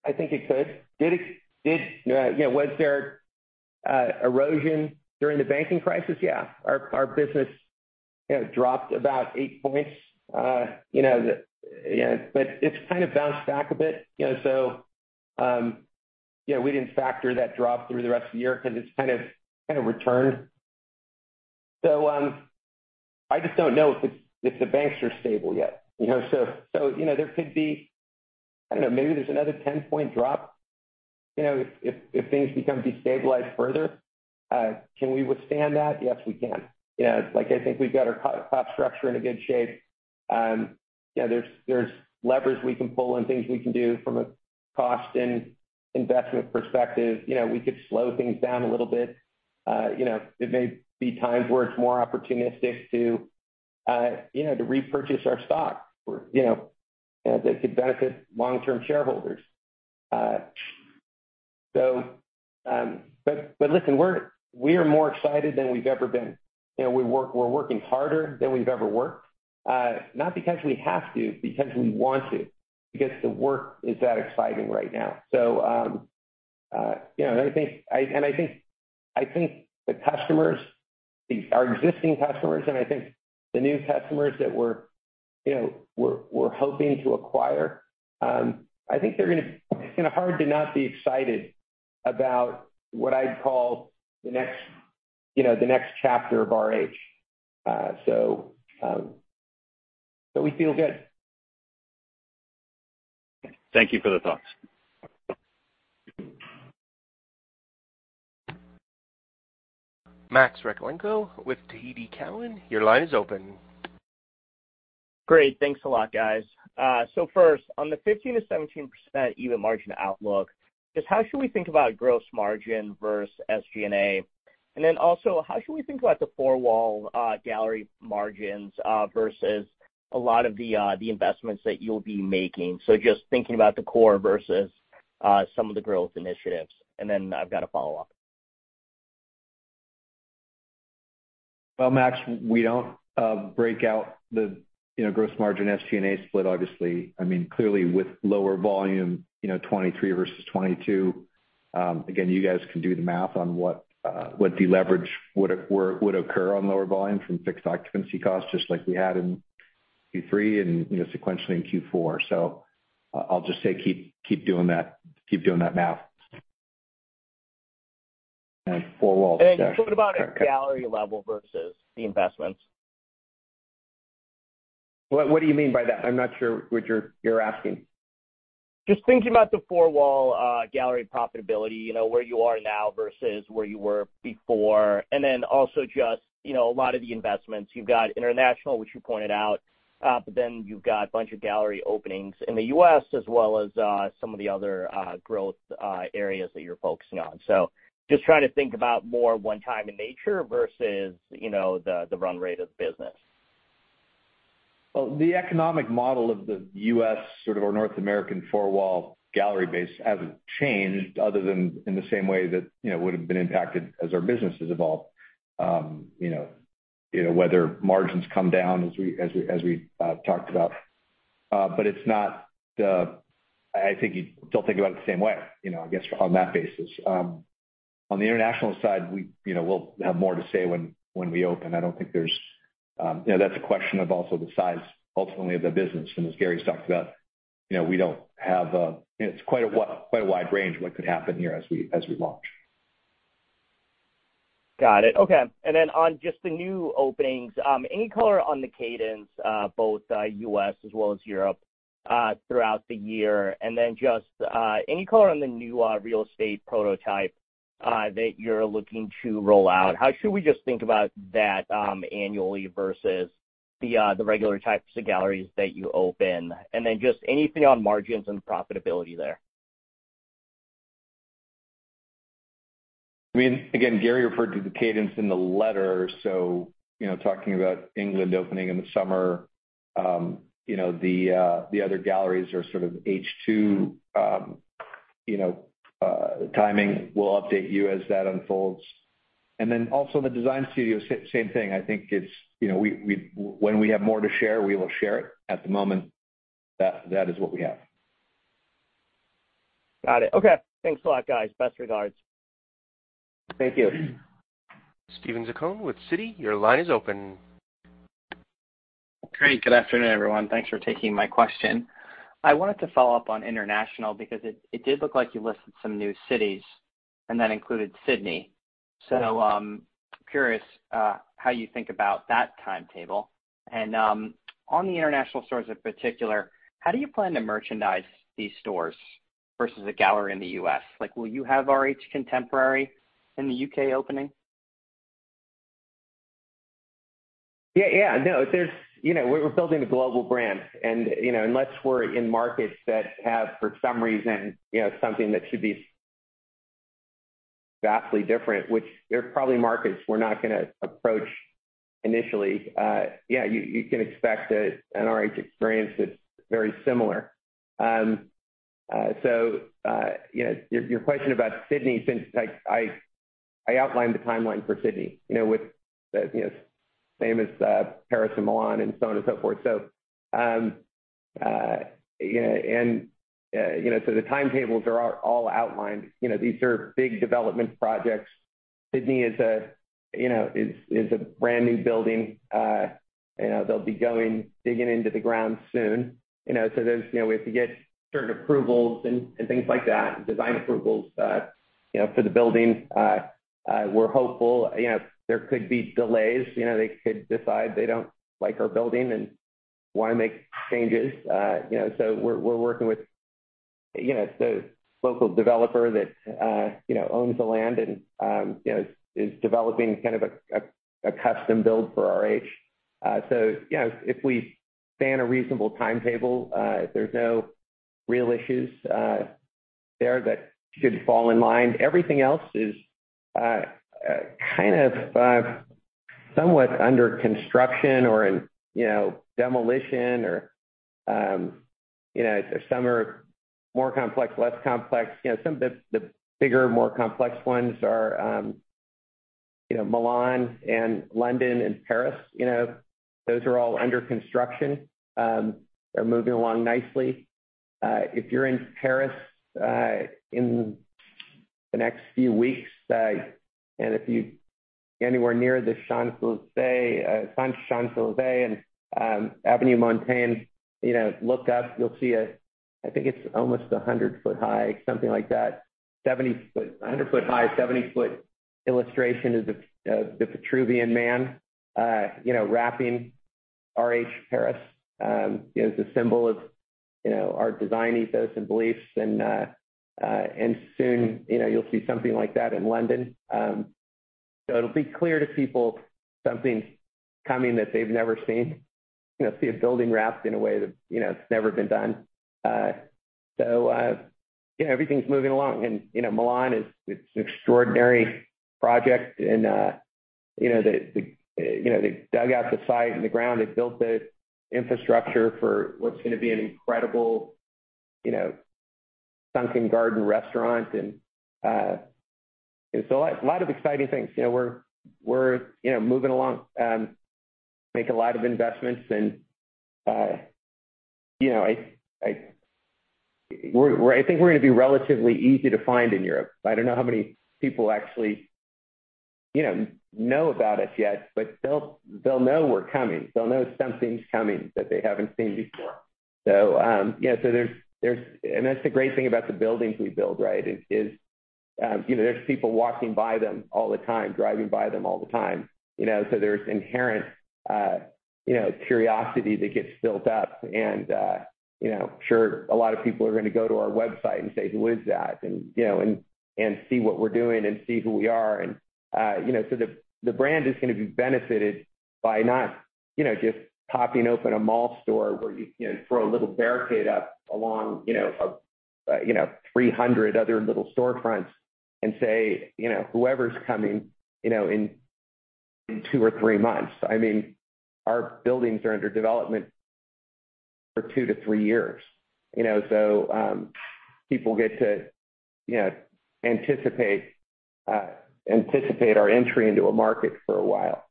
I think it could. Did, you know, was there erosion during the banking crisis? Yeah. Our business, you know, dropped about eight points. You know, it's kind of bounced back a bit, you know? You know, we didn't factor that drop through the rest of the year 'cause it's kind of returned. I just don't know if the banks are stable yet. You know, so, you know, there could be... I don't know, maybe there's another 10-point drop, you know, if things become destabilized further. Can we withstand that? Yes, we can. You know, like, I think we've got our co-cost structure in a good shape. You know, there's levers we can pull and things we can do from a cost and investment perspective. You know, we could slow things down a little bit. You know, there may be times where it's more opportunistic to, you know, to repurchase our stock or, you know, that could benefit long-term shareholders. Listen, we are more excited than we've ever been. You know, we're working harder than we've ever worked, not because we have to, because we want to, because the work is that exciting right now. You know, and I think, I think the customers, our existing customers and I think the new customers that we're, you know, we're hoping to acquire, It's kinda hard to not be excited about what I'd call the next, you know, the next chapter of RH. We feel good. Thank you for the thoughts. Max Rakhlenko with TD Cowen, your line is open. Great. Thanks a lot, guys. First, on the 15%-17% EBIT margin outlook, just how should we think about gross margin versus SG&A? Also, how should we think about the four-wall gallery margins versus a lot of the investments that you'll be making? Just thinking about the core versus some of the growth initiatives. I've got a follow-up. Well, Max, we don't break out the, you know, gross margin SG&A split, obviously. I mean, clearly with lower volume, you know, 23 versus 22, again, you guys can do the math on what deleverage would occur on lower volume from fixed occupancy costs just like we had in Q3 and, you know, sequentially in Q4. I'll just say keep doing that, keep doing that math. Four walls, yeah. Just what about at gallery level versus the investments? What do you mean by that? I'm not sure what you're asking. Just thinking about the four-wall, gallery profitability, you know, where you are now versus where you were before. Then also just, you know, a lot of the investments. You've got international, which you pointed out, but then you've got a bunch of gallery openings in the U.S. as well as, some of the other, growth, areas that you're focusing on. Just trying to think about more one time in nature versus, you know, the run rate of business. The economic model of the U.S. sort of, or North American four-wall gallery base hasn't changed other than in the same way that, you know, would have been impacted as our business has evolved. You know, you know, whether margins come down as we talked about. It's not. I think don't think about it the same way, you know, I guess, on that basis. On the international side, we, you know, we'll have more to say when we open. I don't think there's, you know, that's a question of also the size ultimately of the business. As Gary's talked about, you know, we don't have a... It's quite a wide range of what could happen here as we launch. Got it. Okay. On just the new openings, any color on the cadence, both U.S. as well as Europe, throughout the year? Just any color on the new real estate prototype that you're looking to roll out? How should we just think about that annually versus the regular types of galleries that you open? Just anything on margins and profitability there. I mean, again, Gary referred to the cadence in the letter, you know, talking about England opening in the summer. You know, the other galleries are sort of H2, you know, timing. We'll update you as that unfolds. Also the design studio, same thing. I think it's, you know, when we have more to share, we will share it. At the moment, that is what we have. Got it. Okay. Thanks a lot, guys. Best regards. Thank you. Steven Zaccone with Citi, your line is open. Great. Good afternoon, everyone. Thanks for taking my question. I wanted to follow up on international because it did look like you listed some new cities, and that included Sydney. Curious how you think about that timetable. On the international stores in particular, how do you plan to merchandise these stores versus a gallery in the U.S.? Like, will you have RH Contemporary in the U.K. opening? Yeah. Yeah. No. There's... You know, we're building a global brand and, you know, unless we're in markets that have, for some reason, you know, something that should be vastly different, which they're probably markets we're not gonna approach initially. Yeah, you can expect an RH experience that's very similar. You know, your question about Sydney, since I, I outlined the timeline for Sydney, you know, with the, you know, same as Paris and Milan and so on and so forth. Yeah, you know, so the timetables are all outlined. You know, these are big development projects. Sydney is a brand-new building. You know, they'll be going, digging into the ground soon. You know, so there's... You know, we have to get certain approvals and things like that, design approvals, you know, for the building. We're hopeful. You know, there could be delays. You know, they could decide they don't like our building and wanna make changes. You know, so we're working with, you know, the local developer that, you know, owns the land and, you know, is developing kind of a custom build for RH. You know, if we stay on a reasonable timetable, there's no real issues there that should fall in line. Everything else is kind of somewhat under construction or in, you know, demolition or, you know, some are more complex, less complex. You know, some of the bigger and more complex ones are, you know, Milan and London and Paris. You know, those are all under construction. They're moving along nicely. If you're in Paris, in the next few weeks, and if you're anywhere near the Champs-Élysées, Champs-Élysées and Avenue Montaigne, you know, look up, you'll see a, I think it's almost a 100 foot high, something like that, 70 foot. A 100 foot high, 70-foot illustration of the Vitruvian Man, you know, wrapping RH Paris, you know, as a symbol of, you know, our design ethos and beliefs. Soon, you know, you'll see something like that in London. It'll be clear to people something's coming that they've never seen. You know, see a building wrapped in a way that, you know, it's never been done. You know, everything's moving along. You know, Milan is... It's an extraordinary project, you know, they've dug out the site and the ground. They've built the infrastructure for what's gonna be an incredible, you know, sunken garden restaurant. A lot of exciting things. You know, we're, you know, moving along. Make a lot of investments, you know, I think we're gonna be relatively easy to find in Europe. I don't know how many people actually, you know about us yet, but they'll know we're coming. They'll know something's coming that they haven't seen before. That's the great thing about the buildings we build, right, is, you know, there's people walking by them all the time, driving by them all the time, you know. There's inherent, you know, curiosity that gets built up and, you know. Sure, a lot of people are gonna go to our website and say, "Who is that?" You know, and see what we're doing and see who we are. You know, so the brand is gonna be benefited by not, you know, just popping open a mall store where you know, throw a little barricade up along, you know, a, you know, 300 other little storefronts and say, you know, whoever's coming, you know, in two or three months. I mean, our buildings are under development for two to three years, you know? People get to, you know, anticipate our entry into a market for a while.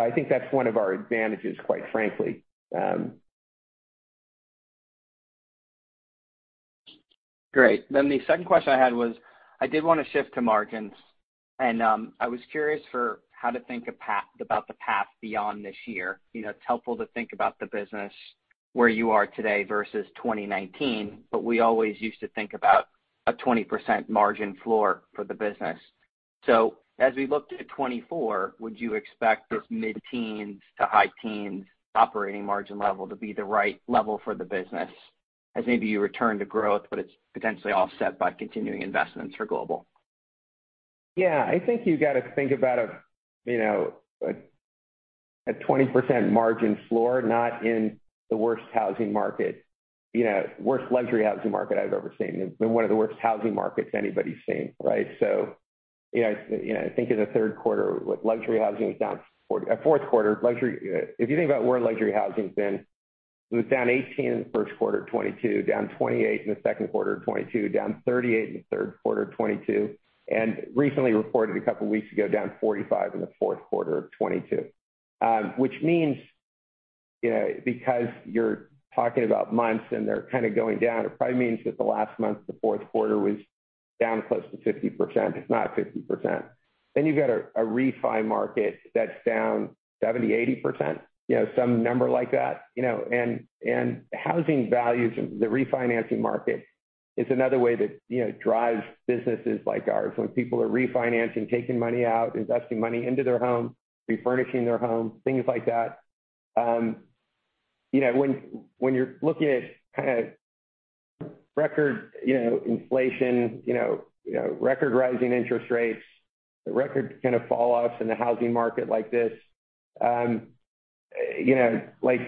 I think that's one of our advantages, quite frankly. The second question I had was, I did wanna shift to margins, and I was curious for how to think about the path beyond this year. You know, it's helpful to think about the business where you are today versus 2019, but we always used to think about a 20% margin floor for the business. As we look to 2024, would you expect this mid-teens to high teens operating margin level to be the right level for the business as maybe you return to growth, but it's potentially offset by continuing investments for global? Yeah. I think you gotta think about a, you know, a 20% margin floor, not in the worst housing market, you know, worst luxury housing market I've ever seen. It's been one of the worst housing markets anybody's seen, right? Yeah, I, you know, I think in the third quarter, like, fourth quarter, luxury, if you think about where luxury housing's been, it was down 18% in the first quarter of 2022, down 28% in the second quarter of 2022, down 38% in the third quarter of 2022, and recently reported a couple weeks ago, down 45% in the fourth quarter of 2022. Which means, you know, because you're talking about months and they're kinda going down, it probably means that the last month, the fourth quarter was down close to 50%, if not 50%. You've got a refi market that's down 70%-80%, you know, some number like that. You know, housing values and the refinancing market is another way that, you know, drives businesses like ours. When people are refinancing, taking money out, investing money into their home, refurnishing their home, things like that. You know, when you're looking at kinda record, you know, inflation, you know, record rising interest rates, the record kinda falloffs in the housing market like this, you know, like,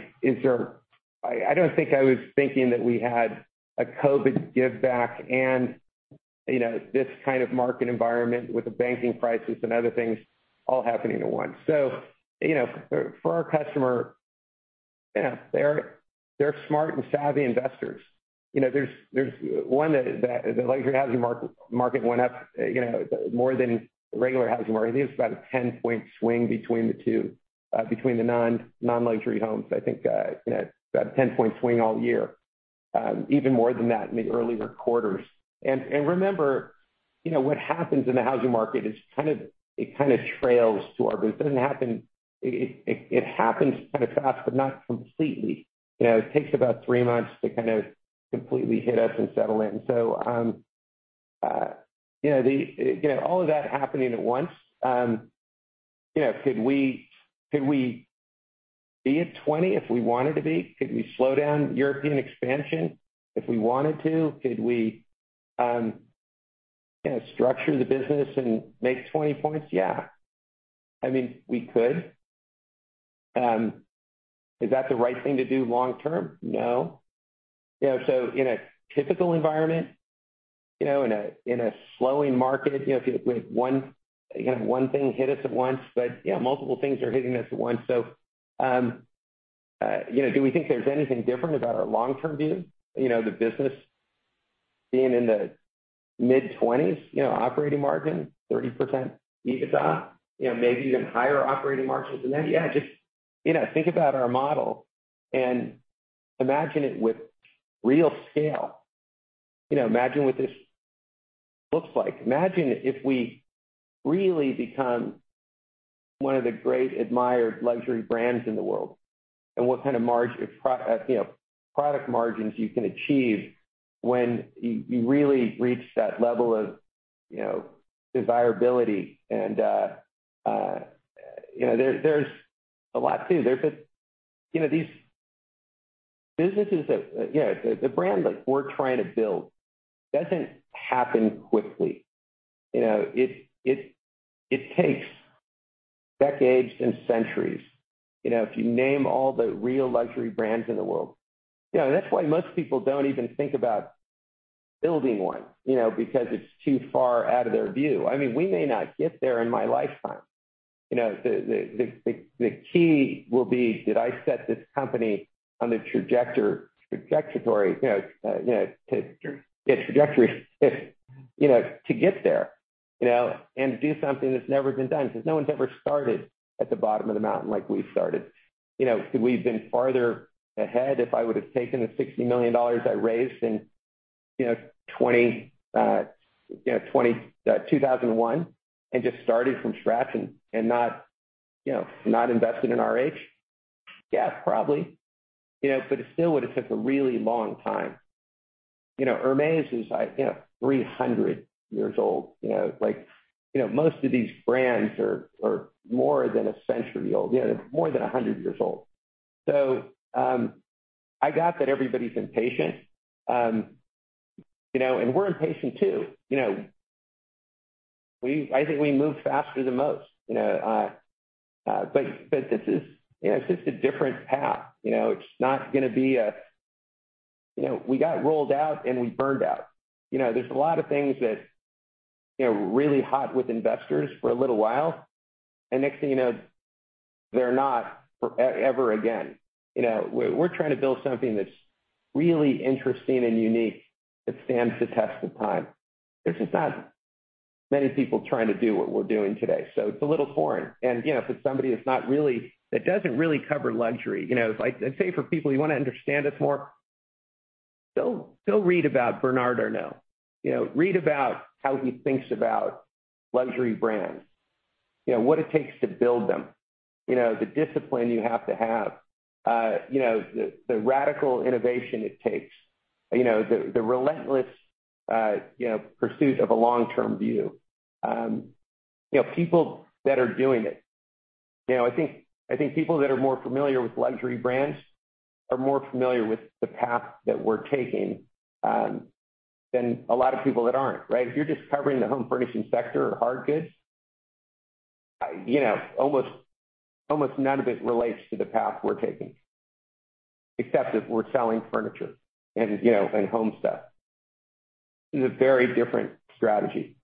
I don't think I was thinking that we had a COVID give back and, you know, this kind of market environment with the banking crisis and other things all happening at once. You know, for our customer, you know, they're smart and savvy investors. You know, there's one that the luxury housing market went up, you know, more than the regular housing market. I think it's about a 10-point swing between the two, between the non-luxury homes. I think, you know, about a 10-point swing all year, even more than that in the earlier quarters. Remember, you know, what happens in the housing market is kind of. It kinda trails to our business. It doesn't happen. It happens kinda fast, but not completely. You know, it takes about three months to kind of completely hit us and settle in. You know, the, you know, all of that happening at once, you know, could we, could we be at 20 if we wanted to be? Could we slow down European expansion if we wanted to? Could we, you know, structure the business and make 20 points? Yeah. I mean, we could. Is that the right thing to do long-term? No. You know, in a typical environment, you know, in a slowing market, you know, with one, you know, one thing hit us at once, but, you know, multiple things are hitting us at once. You know, do we think there's anything different about our long-term view? You know, the business being in the mid-20s, you know, operating margin, 30% EBITDA. You know, maybe even higher operating margins than that. Yeah, just, you know, think about our model and imagine it with real scale. You know, imagine what this looks like. Imagine if we really become one of the great admired luxury brands in the world, and what kind of margin, you know, product margins you can achieve when you really reach that level of, you know, desirability. You know, there's a lot to. There's just, you know, these businesses that, you know, the brand that we're trying to build doesn't happen quickly. You know, it takes decades and centuries. You know, if you name all the real luxury brands in the world. You know, that's why most people don't even think about building one, you know, because it's too far out of their view. I mean, we may not get there in my lifetime, you know. The key will be, did I set this company on the trajectory, you know, trajectory, you know, to get there, you know, and do something that's never been done. 'Cause no one's ever started at the bottom of the mountain like we started. You know, could we have been farther ahead if I would've taken the $60 million I raised in, you know, 2001, and just started from scratch and not, you know, not invested in RH? Yeah, probably. You know, but it still would've took a really long time. You know, Hermès is, you know, 300 years old, you know. Like, you know, most of these brands are more than a century old, you know, they're more than 100 years old. I got that everybody's impatient. You know, and we're impatient too, you know. I think we move faster than most, you know. This is... You know, it's just a different path, you know. It's not gonna be a... You know, we got rolled out and we burned out. You know, there's a lot of things that, you know, really hot with investors for a little while, and next thing you know, they're not for ever again. You know, we're trying to build something that's really interesting and unique that stands the test of time. There's just not many people trying to do what we're doing today, so it's a little foreign. You know, for somebody that's not really... that doesn't really cover luxury, you know, like I say, for people who wanna understand us more, go read about Bernard Arnault. You know, read about how he thinks about luxury brands. You know, what it takes to build them. You know, the discipline you have to have. You know, the radical innovation it takes. You know, the relentless, you know, pursuit of a long-term view. You know, people that are doing it. You know, I think people that are more familiar with luxury brands are more familiar with the path that we're taking, than a lot of people that aren't, right? If you're just covering the home furnishing sector or hard goods. You know, almost none of it relates to the path we're taking, except that we're selling furniture and, you know, and home stuff. This is a very different strategy.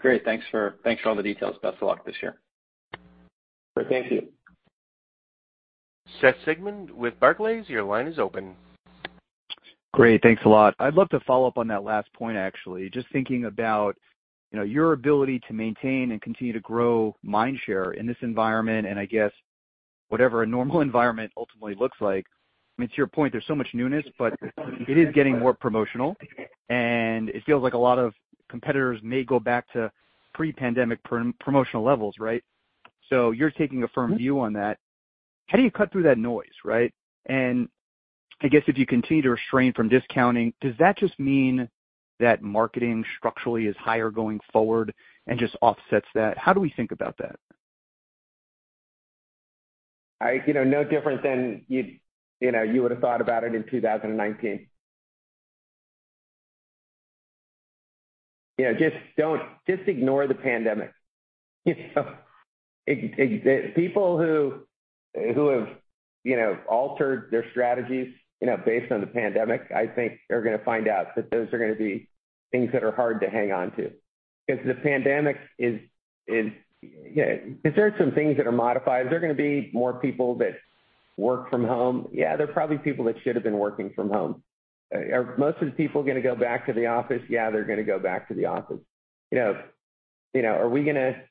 Great. Thanks for all the details. Best of luck this year. Thank you. Seth Sigman with Barclays. Your line is open. Great. Thanks a lot. I'd love to follow up on that last point, actually. Just thinking about, you know, your ability to maintain and continue to grow mindshare in this environment, and I guess whatever a normal environment ultimately looks like. I mean, to your point, there's so much newness, but it is getting more promotional, and it feels like a lot of competitors may go back to pre-pandemic promotional levels, right? You're taking a firm view on that. How do you cut through that noise, right? I guess if you continue to restrain from discounting, does that just mean that marketing structurally is higher going forward and just offsets that? How do we think about that? You know, no different than you know, you would have thought about it in 2019. You know, just ignore the pandemic. You know, the people who have, you know, altered their strategies, you know, based on the pandemic, I think are gonna find out that those are gonna be things that are hard to hang on to. Cause the pandemic is, you know... Is there some things that are modified? Is there gonna be more people that work from home? Yeah, they're probably people that should have been working from home. Are most of the people gonna go back to the office? Yeah, they're gonna go back to the office. You know, are we gonna,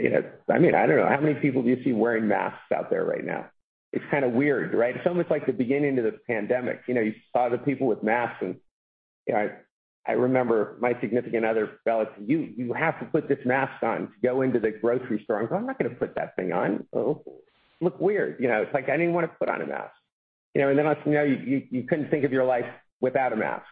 you know... I mean, I don't know. How many people do you see wearing masks out there right now? It's kinda weird, right? It's almost like the beginning of the pandemic. You know, you saw the people with masks and, you know, I remember my significant other telling, "You have to put this mask on to go into the grocery store." I'm going, "I'm not gonna put that thing on. It'll look weird." You know, it's like I didn't want to put on a mask. You know, now you couldn't think of your life without a mask,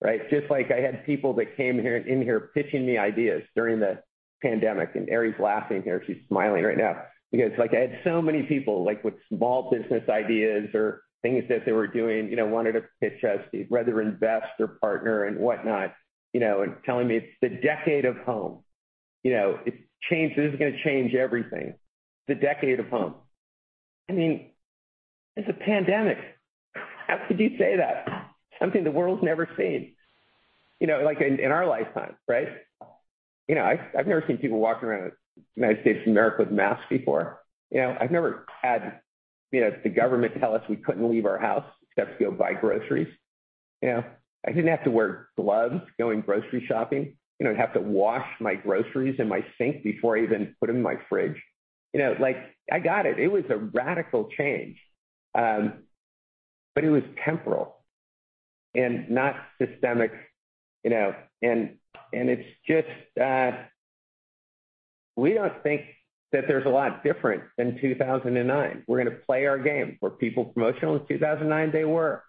right? Just like I had people that came in here pitching me ideas during the pandemic. Eri's laughing here. She's smiling right now. Like, I had so many people, like, with small business ideas or things that they were doing, you know, wanted to pitch us. Whether invest or partner and whatnot, you know, telling me it's the decade of home. You know, it's gonna change everything. The decade of home. I mean, it's a pandemic. How could you say that? Something the world's never seen, you know, like, in our lifetime, right? You know, I've never seen people walking around the United States of America with masks before. You know, I've never had, you know, the government tell us we couldn't leave our house except to go buy groceries. You know, I didn't have to wear gloves going grocery shopping. You know, have to wash my groceries in my sink before I even put them in my fridge. You know, like, I got it. It was a radical change, but it was temporal and not systemic, you know. It's just, we don't think that there's a lot different than 2009. We're gonna play our game. Were people promotional in 2009? They were.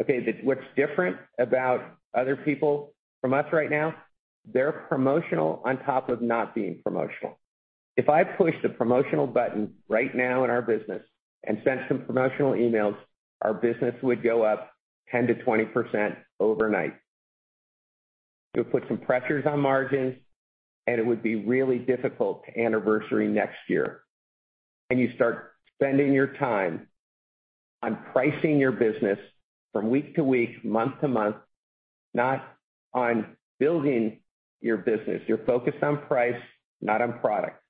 Okay, what's different about other people from us right now? They're promotional on top of not being promotional. If I push the promotional button right now in our business and send some promotional emails, our business would go up 10%-20% overnight. It would put some pressures on margins, and it would be really difficult to anniversary next year. You start spending your time on pricing your business from week to week, month to month, not on building your business. You're focused on price, not on product,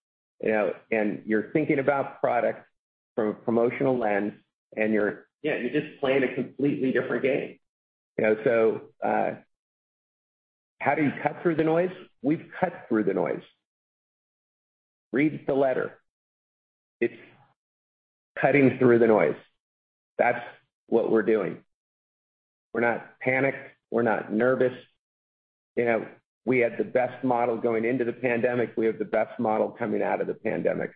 you know. You're thinking about product from a promotional lens. You're, you know, you're just playing a completely different game. You know, how do you cut through the noise? We've cut through the noise. Read the letter. It's cutting through the noise. That's what we're doing. We're not panicked. We're not nervous. You know, we had the best model going into the pandemic. We have the best model coming out of the pandemic.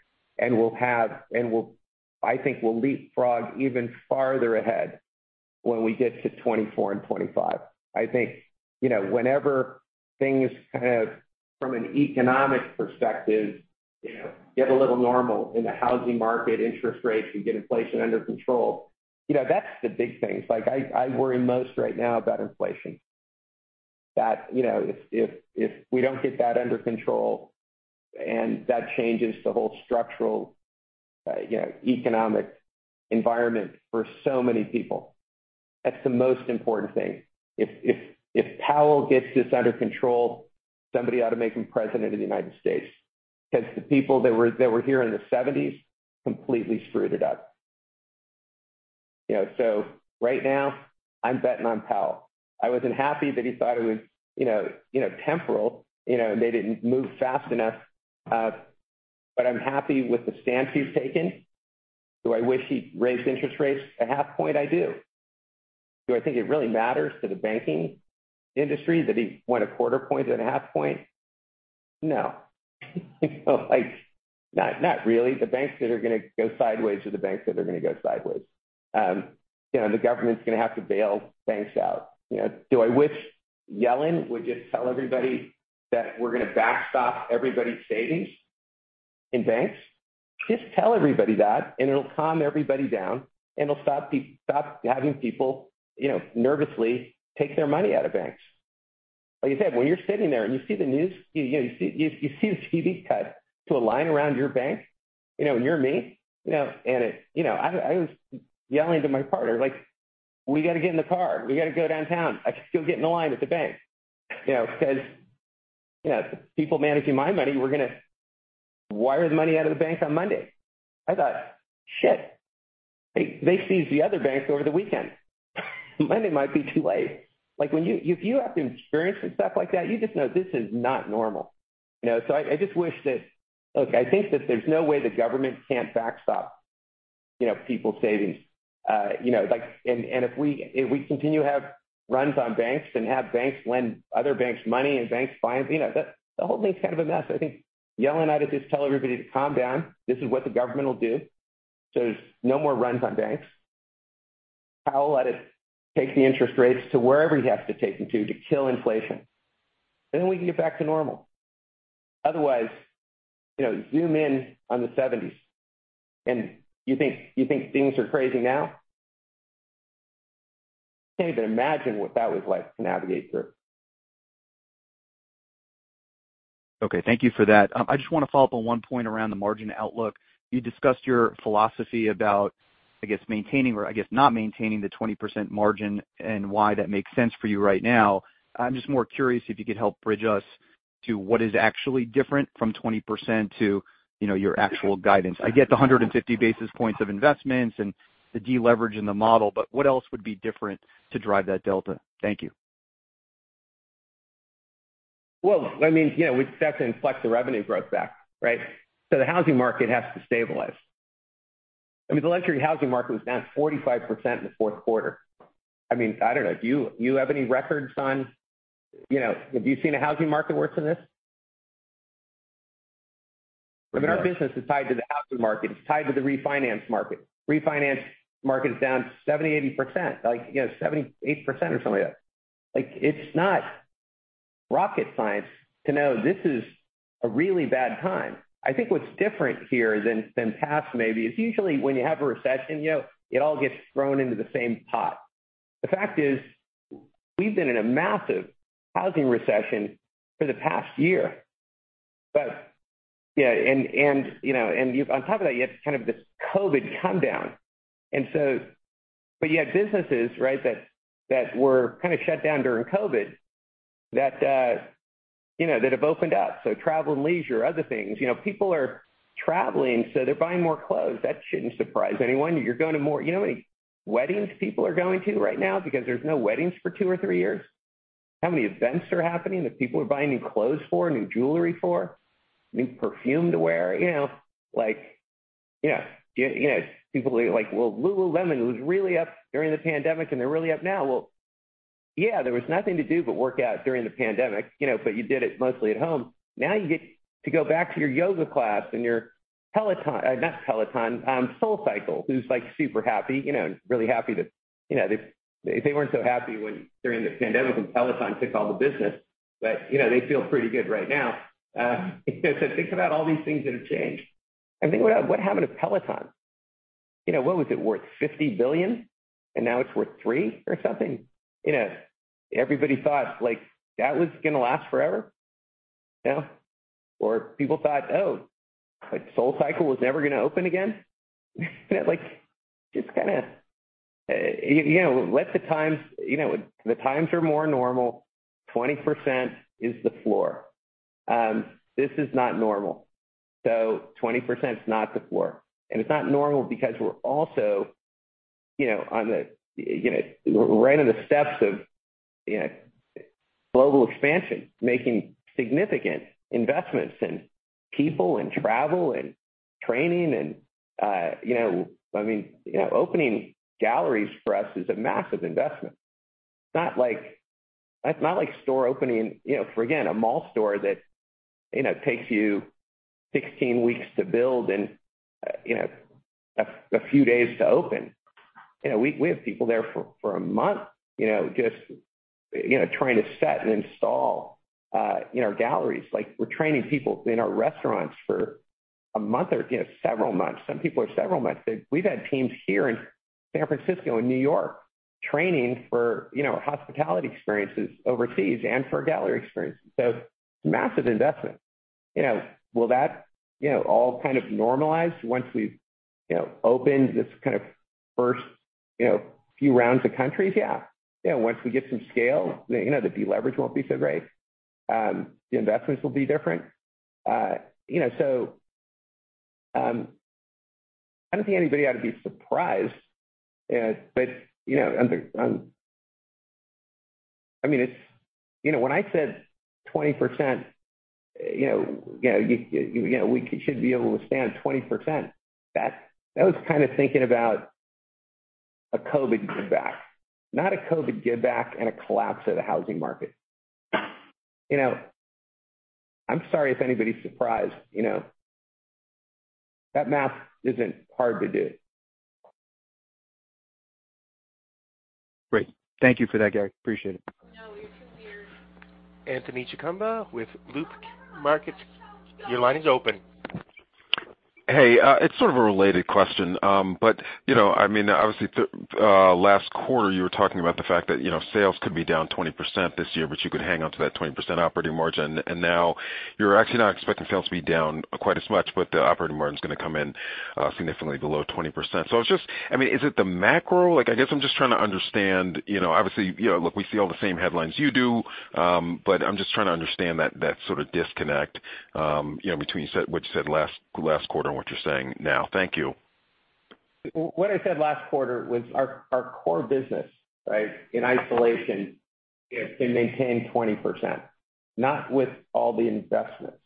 I think we'll leapfrog even farther ahead when we get to 2024 and 2025. I think, you know, whenever things kind of, from an economic perspective, you know, get a little normal in the housing market, interest rates, we get inflation under control, you know, that's the big thing. It's like I worry most right now about inflation. That, you know, if we don't get that under control and that changes the whole structural, you know, economic environment for so many people, that's the most important thing. If Powell gets this under control, somebody ought to make him president of the United States, 'cause the people that were here in the seventies completely screwed it up. You know, right now, I'm betting on Powell. I wasn't happy that he thought it was, you know, temporal, you know, and they didn't move fast enough. I'm happy with the stance he's taken. Do I wish he'd raised interest rates a half point? I do. Do I think it really matters to the banking industry that he went a quarter point and a half point? No. You know, like, not really. The banks that are gonna go sideways are the banks that are gonna go sideways. You know, the government's gonna have to bail banks out. You know, do I wish Yellen would just tell everybody that we're gonna backstop everybody's savings? In banks? Just tell everybody that and it'll calm everybody down, and it'll stop having people, you know, nervously take their money out of banks. Like I said, when you're sitting there and you see the news, you see the TV cut to a line around your bank, you know, and you're me, you know, and it. You know, I was yelling to my partner like, "We gotta get in the car. We gotta go downtown. I have to go get in the line at the bank." You know, 'cause, you know, the people managing my money were gonna wire the money out of the bank on Monday. I thought, they seize the other banks over the weekend. Monday might be too late. Like, if you have to experience stuff like that, you just know this is not normal, you know. I just wish that... Look, I think that there's no way the government can't backstop, you know, people's savings. you know, like, and if we continue to have runs on banks and have banks lend other banks money and banks buying... You know, the whole thing's kind of a mess. I think Yellen ought to just tell everybody to calm down. This is what the government will do, so there's no more runs on banks. Powell let it take the interest rates to wherever he has to take them to kill inflation. We can get back to normal. Otherwise, you know, zoom in on the seventies and you think things are crazy now? Can't even imagine what that was like to navigate through. Okay, thank you for that. I just wanna follow up on one point around the margin outlook. You discussed your philosophy about, I guess, maintaining, or I guess not maintaining the 20% margin and why that makes sense for you right now. I'm just more curious if you could help bridge us to what is actually different from 20% to, you know, your actual guidance. I get the 150 basis points of investments and the deleverage in the model, but what else would be different to drive that delta? Thank you. Well, I mean, you know, we'd have to inflect the revenue growth back, right? The housing market has to stabilize. I mean, the luxury housing market was down 45% in the fourth quarter. I mean, I don't know, do you have any record, Son? You know, have you seen a housing market worse than this? I mean, our business is tied to the housing market. It's tied to the refinance market. Refinance market is down 70%, 80%. Like, you know, 78% or something like that. Like, it's not rocket science to know this is a really bad time. I think what's different here than past maybe is usually when you have a recession, you know, it all gets thrown into the same pot. The fact is, we've been in a massive housing recession for the past year. Yeah, and, you know, on top of that, you have kind of this COVID comedown. You had businesses, right, that were kinda shut down during COVID that, you know, that have opened up. Travel and leisure, other things. You know, people are traveling, so they're buying more clothes. That shouldn't surprise anyone. You know how many weddings people are going to right now because there was no weddings for two or three years? How many events are happening that people are buying new clothes for, new jewelry for, new perfume to wear? You know, like, you know, you know, people are like, "Well, Lululemon was really up during the pandemic, and they're really up now." Well, yeah, there was nothing to do but work out during the pandemic, you know, but you did it mostly at home. Now you get to go back to your yoga class and your Peloton, not Peloton, SoulCycle, who's, like, super happy, you know, really happy that, you know. They weren't so happy when, during the pandemic when Peloton took all the business. They feel pretty good right now. Think about all these things that have changed. Think about what happened to Peloton. You know, what was it worth, $50 billion? Now it's worth $3 billion or something. You know, everybody thought, like, that was gonna last forever, you know. People thought, oh, like, SoulCycle was never gonna open again. Like, just kinda, you know, let the times, you know, the times are more normal. 20% is the floor. This is not normal. 20%'s not the floor. It's not normal because we're also, you know, on the, you know, we're right on the steps of, you know, global expansion, making significant investments in people and travel and training and, you know. I mean, you know, opening galleries for us is a massive investment. Not like, that's not like store opening, you know, for again, a mall store that, you know, takes you 16 weeks to build and, you know, a few days to open. You know, we have people there for a month, you know, just, you know, trying to set and install, you know, galleries. Like, we're training people in our restaurants for a month or, you know, several months. Some people are several months. We've had teams here in San Francisco and New York training for, you know, hospitality experiences overseas and for gallery experiences. It's a massive investment. You know, will that, you know, all kind of normalize once we've, you know, opened this kind of first, you know, few rounds of countries? Yeah. You know, once we get some scale, you know, the deleverage won't be so great. The investments will be different. You know, so, I don't think anybody ought to be surprised. You know, on the, I mean, it's. You know, when I said 20%, you know, you know, you know, we should be able to withstand 20%, that was kinda thinking about a COVID giveback. Not a COVID giveback and a collapse of the housing market. You know, I'm sorry if anybody's surprised, you know. That math isn't hard to do. Great. Thank you for that, Gary. Appreciate it. Anthony Chukumba with Loop Capital Markets, your line is open. Hey, it's sort of a related question. You know, I mean, obviously last quarter you were talking about the fact that, you know, sales could be down 20% this year, but you could hang on to that 20% operating margin, and now you're actually not expecting sales to be down quite as much, but the operating margin is gonna come in significantly below 20%. I was just... I mean, is it the macro? Like, I guess I'm just trying to understand, you know, obviously, you know, look, we see all the same headlines you do, but I'm just trying to understand that sort of disconnect, you know, between what you said last quarter and what you're saying now. Thank you. What I said last quarter was our core business, right, in isolation can maintain 20%, not with all the investments.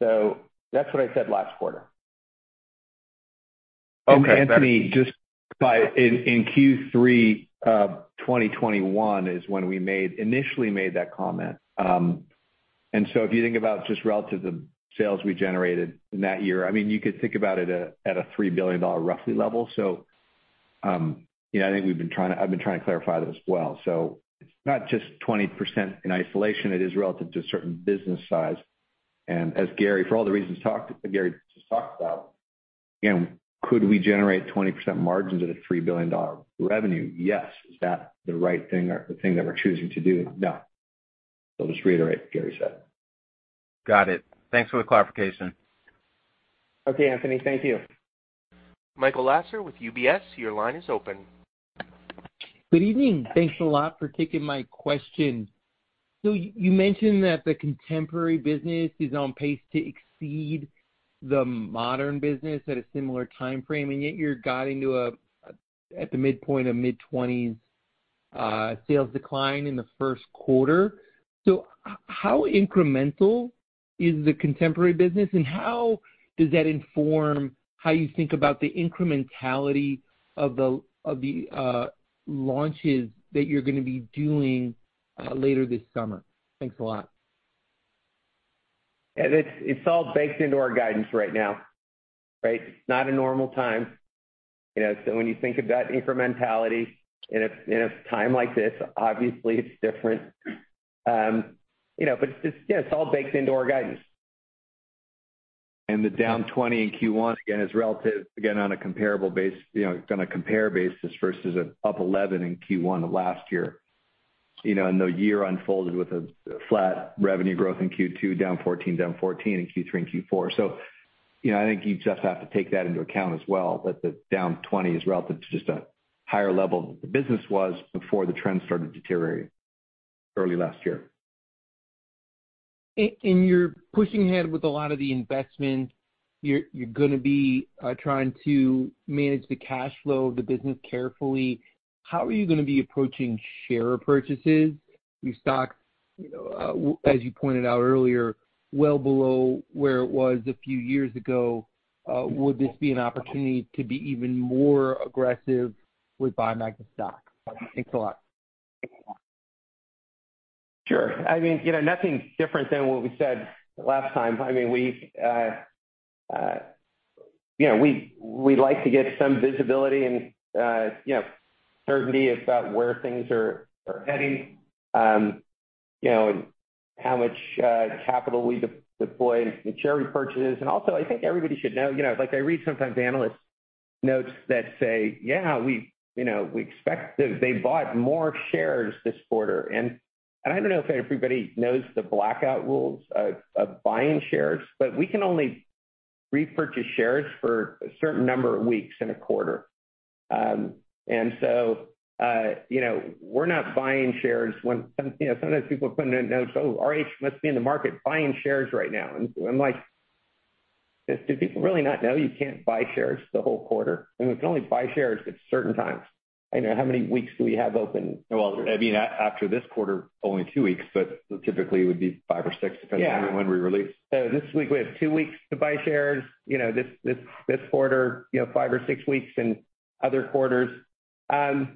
That's what I said last quarter. Okay. Anthony, just in Q3, 2021 is when we initially made that comment. If you think about just relative to sales we generated in that year, I mean, you could think about it at a $3 billion roughly level. You know, I think we've been trying to clarify that as well. It's not just 20% in isolation, it is relative to a certain business size. As Gary, for all the reasons Gary just talked about, you know, could we generate 20% margins at a $3 billion revenue? Yes. Is that the right thing or the thing that we're choosing to do? No. I'll just reiterate what Gary said. Got it. Thanks for the clarification. Okay, Anthony. Thank you. Michael Lasser with UBS, your line is open. Good evening. Thanks a lot for taking my question. You mentioned that the RH Contemporary business is on pace to exceed the RH Modern business at a similar timeframe, and yet you're guiding to a, at the midpoint of mid-twenties, sales decline in the first quarter. How incremental is the RH Contemporary business, and how does that inform how you think about the incrementality of the launches that you're gonna be doing, later this summer? Thanks a lot. It's, it's all baked into our guidance right now, right? It's not a normal time, you know. When you think about incrementality in a, in a time like this, obviously it's different. you know, yeah, it's all baked into our guidance. The down 20% in Q1, again, is relative, again, on a comparable base, you know, on a compare basis versus an up 11% in Q1 of last year. The year unfolded with a flat revenue growth in Q2, down 14% in Q3 and Q4. I think you just have to take that into account as well, that the down 20% is relative to just a higher level that the business was before the trend started deteriorating early last year. You're pushing ahead with a lot of the investment. You're gonna be trying to manage the cash flow of the business carefully. How are you gonna be approaching share purchases? Your stock, you know, as you pointed out earlier, well below where it was a few years ago. Would this be an opportunity to be even more aggressive with buying back the stock? Thanks a lot. Sure. I mean, you know, nothing different than what we said last time. I mean, you know, we like to get some visibility and, you know, certainty about where things are heading, you know, and how much capital we de-deploy in share repurchases. Also, I think everybody should know, you know, like, I read sometimes analysts' notes that say, "Yeah, we expect that they bought more shares this quarter." I don't know if everybody knows the blackout rules of buying shares, we can only repurchase shares for a certain number of weeks in a quarter. You know, we're not buying shares when. Some, you know, sometimes people are putting in notes, "Oh, RH must be in the market buying shares right now." I'm like, do people really not know you can't buy shares the whole quarter? I mean, we can only buy shares at certain times. I don't know, how many weeks do we have open? Well, I mean, after this quarter, only two weeks, but typically it would be five or six, depending on when we release. This week we have two weeks to buy shares, you know, this quarter, you know, five or six weeks in other quarters. You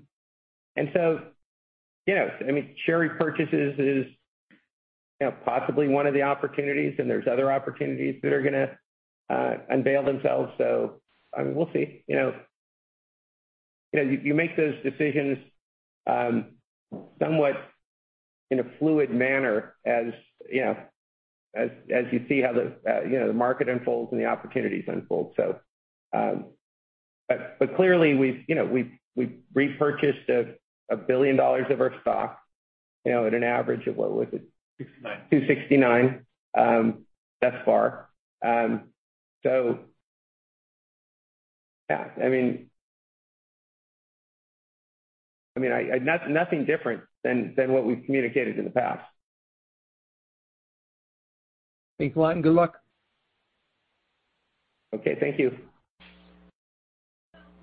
know, I mean, share repurchases is, you know, possibly one of the opportunities, and there's other opportunities that are gonna unveil themselves. I mean, we'll see. You know, you make those decisions, somewhat in a fluid manner as you see how the, you know, the market unfolds and the opportunities unfold. Clearly, we've repurchased $1 billion of our stock, you know, at an average of, what was it? 269. 269, thus far. Yeah, I mean, nothing different than what we've communicated in the past. Thanks a lot, and good luck. Okay, thank you.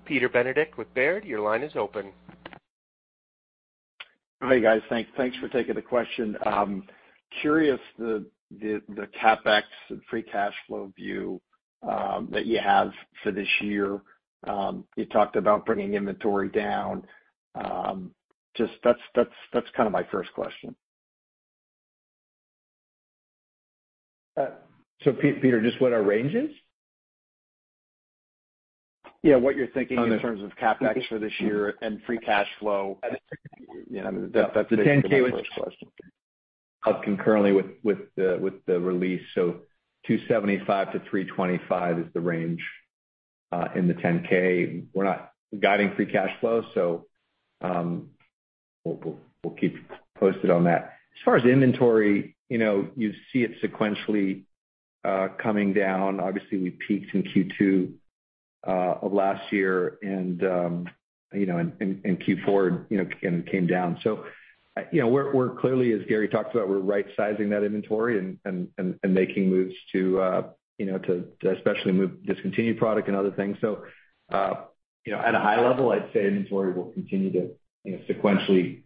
Peter Benedict with Baird, your line is open. Hi, guys. Thanks for taking the question. Curious the CapEx and free cash flow view that you have for this year? You talked about bringing inventory down. Just that's kinda my first question. Peter, just what our ranges? Yeah. What you're thinking in terms of CapEx for this year and free cash flow. You know, that's basically my first question. Up concurrently with the release. 275-325 is the range, in the 10-K. We're not guiding free cash flow, we'll keep you posted on that. As far as inventory, you know, you see it sequentially coming down. Obviously, we peaked in Q2 of last year and, you know, in Q4, you know, again, it came down. You know, we're clearly as Gary talked about, we're rightsizing that inventory and making moves to, you know, to especially move discontinued product and other things. You know, at a high level, I'd say inventory will continue to, you know, sequentially,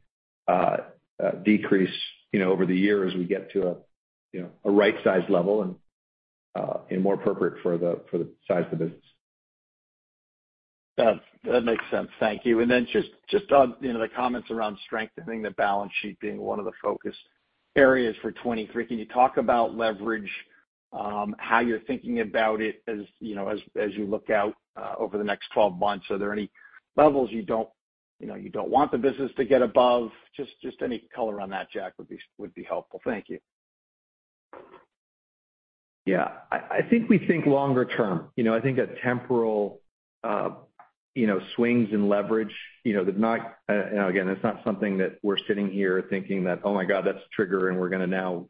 decrease, you know, over the year as we get to a, you know, a right size level and more appropriate for the, for the size of the business. That makes sense. Thank you. Just on, you know, the comments around strengthening the balance sheet being one of the focus areas for 2023. Can you talk about leverage, how you're thinking about it as, you know, as you look out over the next 12 months? Are there any levels you don't, you know, want the business to get above? Just any color on that, Jack, would be helpful. Thank you. Yeah. I think we think longer-term. You know, I think a temporal, you know, swings in leverage, you know, they're not, again, it's not something that we're sitting here thinking that, "Oh my God, that's a trigger, and we're gonna now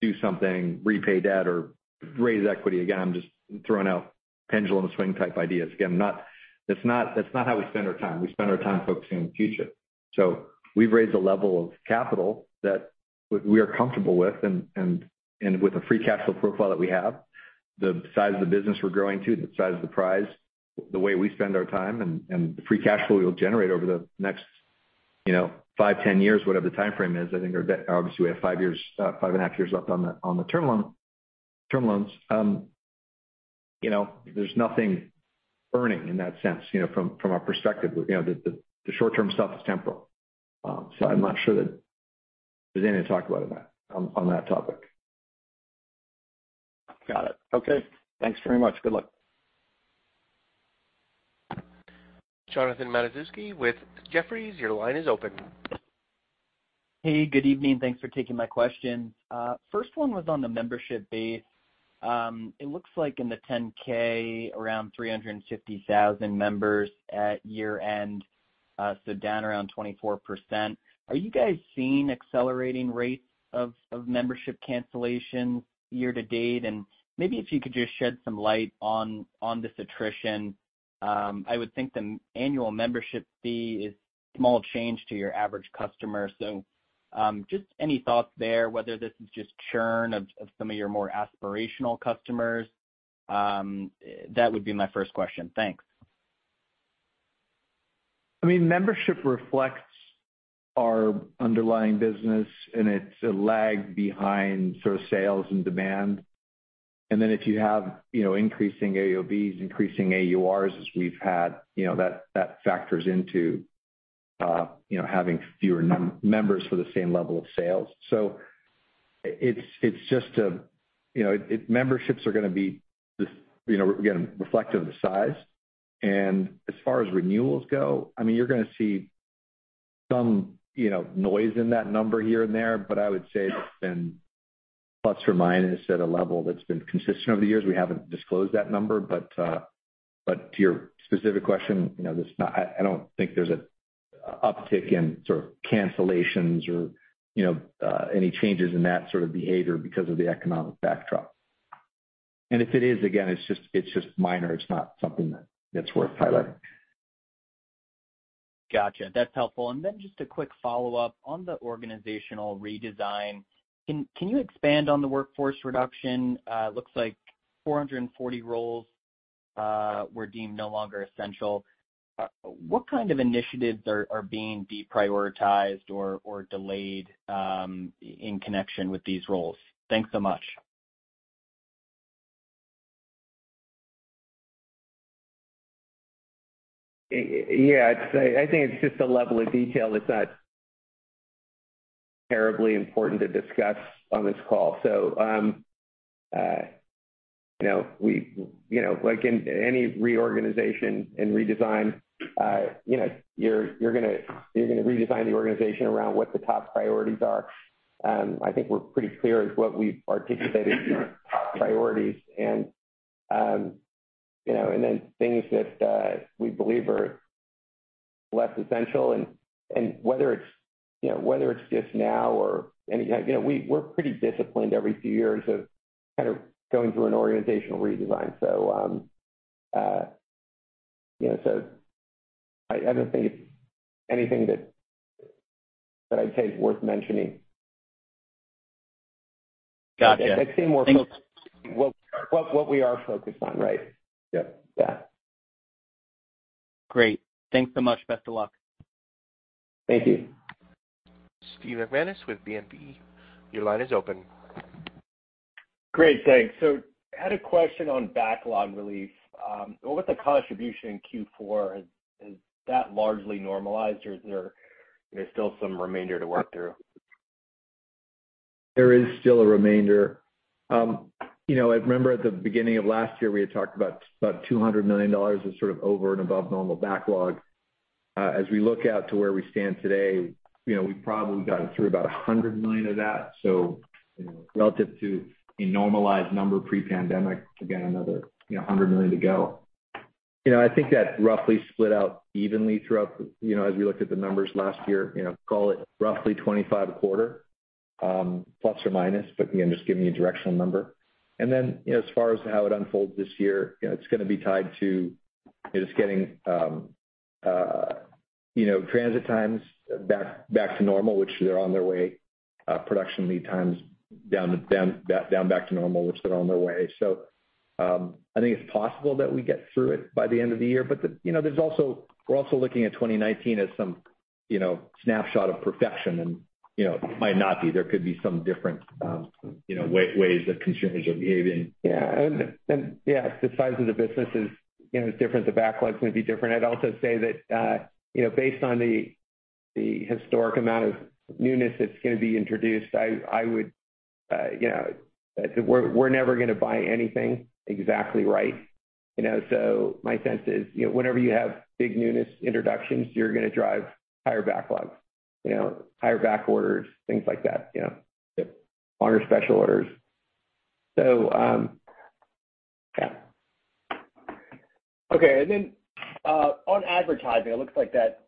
do something, repay debt or raise equity." Again, I'm just throwing out pendulum swing type ideas. Again, that's not how we spend our time. We spend our time focusing on the future. We've raised a level of capital that we are comfortable with and with the free cash flow profile that we have, the size of the business we're growing to, the size of the prize, the way we spend our time and the free cash flow we will generate over the next, you know, five, 10 years, whatever the time frame is. I think our debt, obviously we have five years, five and a half years left on the term loan, term loans. You know, there's nothing burning in that sense, you know, from our perspective. You know, the short-term stuff is temporal. I'm not sure that there's any to talk about on that topic. Got it. Okay. Thanks very much. Good luck. Jonathan Matuszewski with Jefferies. Your line is open. Hey, good evening. Thanks for taking my questions. First one was on the membership base. It looks like in the 10-K, around 350,000 members at year-end, so down around 24%. Are you guys seeing accelerating rates of membership cancellations year-to-date? Maybe if you could just shed some light on this attrition. I would think the annual membership fee is small change to your average customer. Just any thoughts there, whether this is just churn of some of your more aspirational customers. That would be my first question. Thanks. I mean, membership reflects our underlying business, it's a lag behind sort of sales and demand. If you have, you know, increasing AOBs, increasing AURs as we've had, you know, that factors into, you know, having fewer members for the same level of sales. It's just a, you know, memberships are gonna be this, you know, again, reflective of the size. As far as renewals go, I mean, you're gonna see some, you know, noise in that number here and there, but I would say plus or minus at a level that's been consistent over the years. We haven't disclosed that number. To your specific question, you know, there's not... I don't think there's a uptick in sort of cancellations or, you know, any changes in that sort of behavior because of the economic backdrop. If it is, again, it's just minor. It's not something that's worth highlighting. Gotcha. That's helpful. Then just a quick follow-up. On the organizational redesign, can you expand on the workforce reduction? It looks like 440 roles were deemed no longer essential. What kind of initiatives are being deprioritized or delayed in connection with these roles? Thanks so much. Yeah. I'd say I think it's just a level of detail that's not terribly important to discuss on this call. You know, we, you know, like in any reorganization and redesign, you know, you're gonna redesign the organization around what the top priorities are. I think we're pretty clear as what we've articulated the top priorities and, you know, and then things that, we believe are less essential and whether it's, you know, whether it's just now or any time. You know, we're pretty disciplined every few years of kind of going through an organizational redesign. You know, so I don't think it's anything that I'd say is worth mentioning. Gotcha. I'd say more focused what we are focused on, right? Yeah. Great. Thanks so much. Best of luck. Thank you. Steve McManus with BNP. Your line is open. Great. Thanks. I had a question on backlog relief. What was the contribution in Q4? Has that largely normalized or is there, you know, still some remainder to work through? There is still a remainder. You know, I remember at the beginning of last year, we had talked about $200 million as sort of over and above normal backlog. As we look out to where we stand today, you know, we've probably gotten through about $100 million of that. Relative to a normalized number pre-pandemic, again, another, you know, $100 million to go. You know, I think that roughly split out evenly throughout the... You know, as we looked at the numbers last year, you know, call it roughly $25 a quarter, plus or minus. Again, just giving you a directional number. Then, you know, as far as how it unfolds this year, you know, it's gonna be tied to just getting, you know, transit times back to normal, which they're on their way. production lead times down back to normal, which they're on their way. I think it's possible that we get through it by the end of the year. You know, we're also looking at 2019 as some, you know, snapshot of perfection and, you know, it might not be. There could be some different, you know, ways that consumers are behaving. Yeah. Yeah, the size of the business is, you know, is different. The backlogs may be different. I'd also say that, you know, based on the historic amount of newness that's gonna be introduced, I would, you know. We're never gonna buy anything exactly right, you know? My sense is, you know, whenever you have big newness introductions, you're gonna drive higher backlogs, you know, higher back orders, things like that, you know? Yep. Honored special orders. Yeah. Okay. On advertising, it looks like that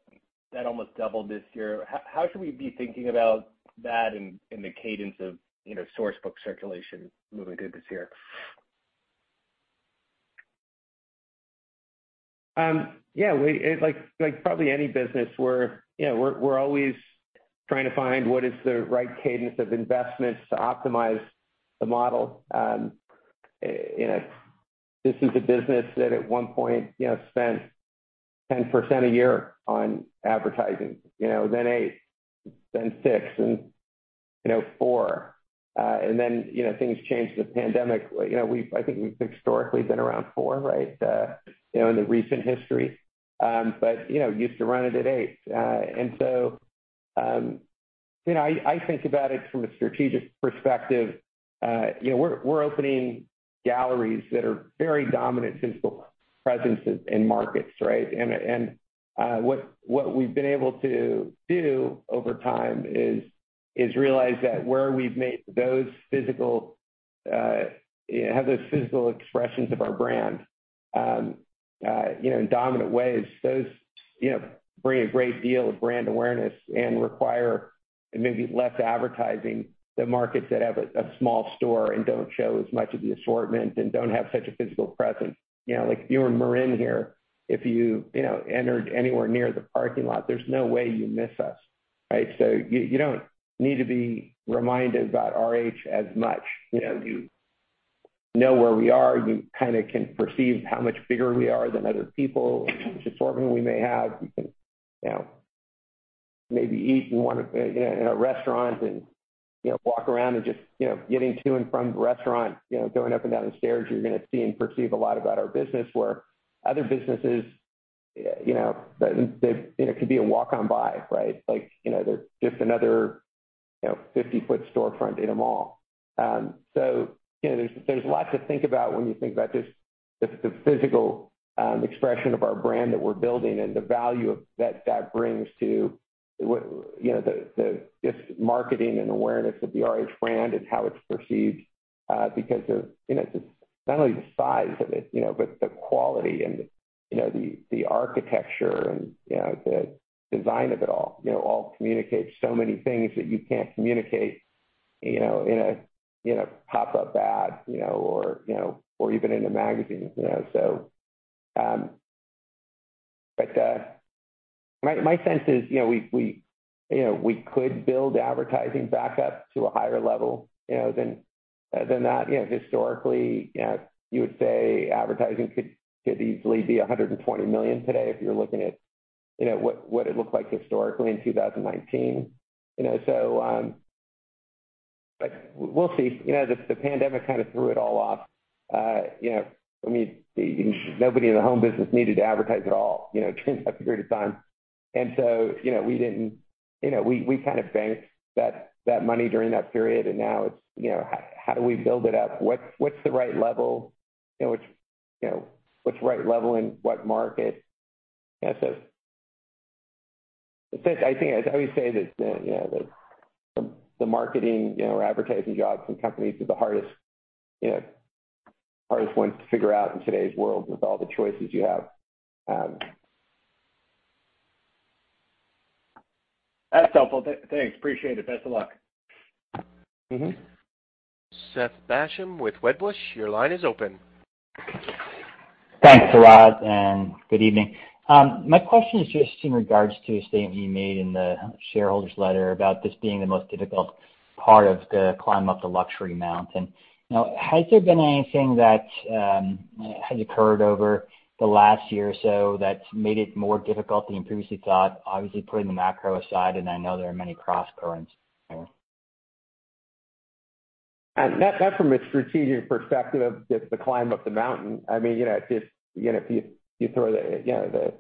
almost doubled this year. How should we be thinking about that in the cadence of, you know, source book circulation moving through this year? Yeah, like probably any business, we're always trying to find what is the right cadence of investments to optimize the model. You know, this is a business that at one point, you know, spent 10% a year on advertising, you know, then eight, then six, and, you know, four. You know, things changed with the pandemic. You know, I think we've historically been around four, right? You know, in the recent history. You know, used to run it at eight. You know, I think about it from a strategic perspective. You know, we're opening galleries that are very dominant physical presences in markets, right? What we've been able to do over time is realize that where we've have those physical expressions of our brand, you know, in dominant ways, those, you know, bring a great deal of brand awareness and require maybe less advertising than markets that have a small store and don't show as much of the assortment and don't have such a physical presence. You know, like if you were in Marin here, if you know, entered anywhere near the parking lot, there's no way you miss us, right? You don't need to be reminded about RH as much. You know, you know where we are. You kinda can perceive how much bigger we are than other people, which assortment we may have. You can, you know, maybe eat in one of, you know, in a restaurant and, you know, walk around and just. You know, getting to and from the restaurant, you know, going up and down the stairs, you're gonna see and perceive a lot about our business, where other businesses, you know, the. You know, it could be a walk-on by, right? Like, you know, they're just another, you know, 50-foot storefront in a mall. You know, there's lots to think about when you think about just the physical expression of our brand that we're building and the value that that brings to what, you know, the. Just marketing and awareness of the RH brand and how it's perceived, because of, you know, just not only the size of it, you know, but the quality and, you know, the architecture and, you know, the design of it all, you know, all communicates so many things that you can't communicate, you know, in a, in a pop-up ad, you know, or, you know, or even in the magazines, you know. But my sense is, you know, we've, you know, we could build advertising back up to a higher level, you know, than that. You know, historically, you know, you would say advertising could easily be $120 million today if you're looking at, you know, what it looked like historically in 2019, you know. But we'll see. You know, the pandemic kind of threw it all off. you know, I mean, nobody in the home business needed to advertise at all, you know, during that period of time. You know, we didn't. You know, we kind of banked that money during that period, and now it's, you know, how do we build it up? What's, what's the right level? You know, which. You know, what's the right level in what market? You know, Since I always say that, you know, that the marketing, or advertising jobs in companies are the hardest ones to figure out in today's world with all the choices you have. That's helpful. Thanks. Appreciate it. Best of luck. Mm-hmm. Seth Basham with Wedbush, your line is open. Thanks a lot, and good evening. My question is just in regards to a statement you made in the shareholders' letter about this being the most difficult part of the climb up the luxury mountain. Has there been anything that has occurred over the last year or so that's made it more difficult than you previously thought? Obviously, putting the macro aside, and I know there are many crosscurrents there. That from a strategic perspective, just the climb up the mountain. I mean, you know, if, you know, if you throw the, you know, the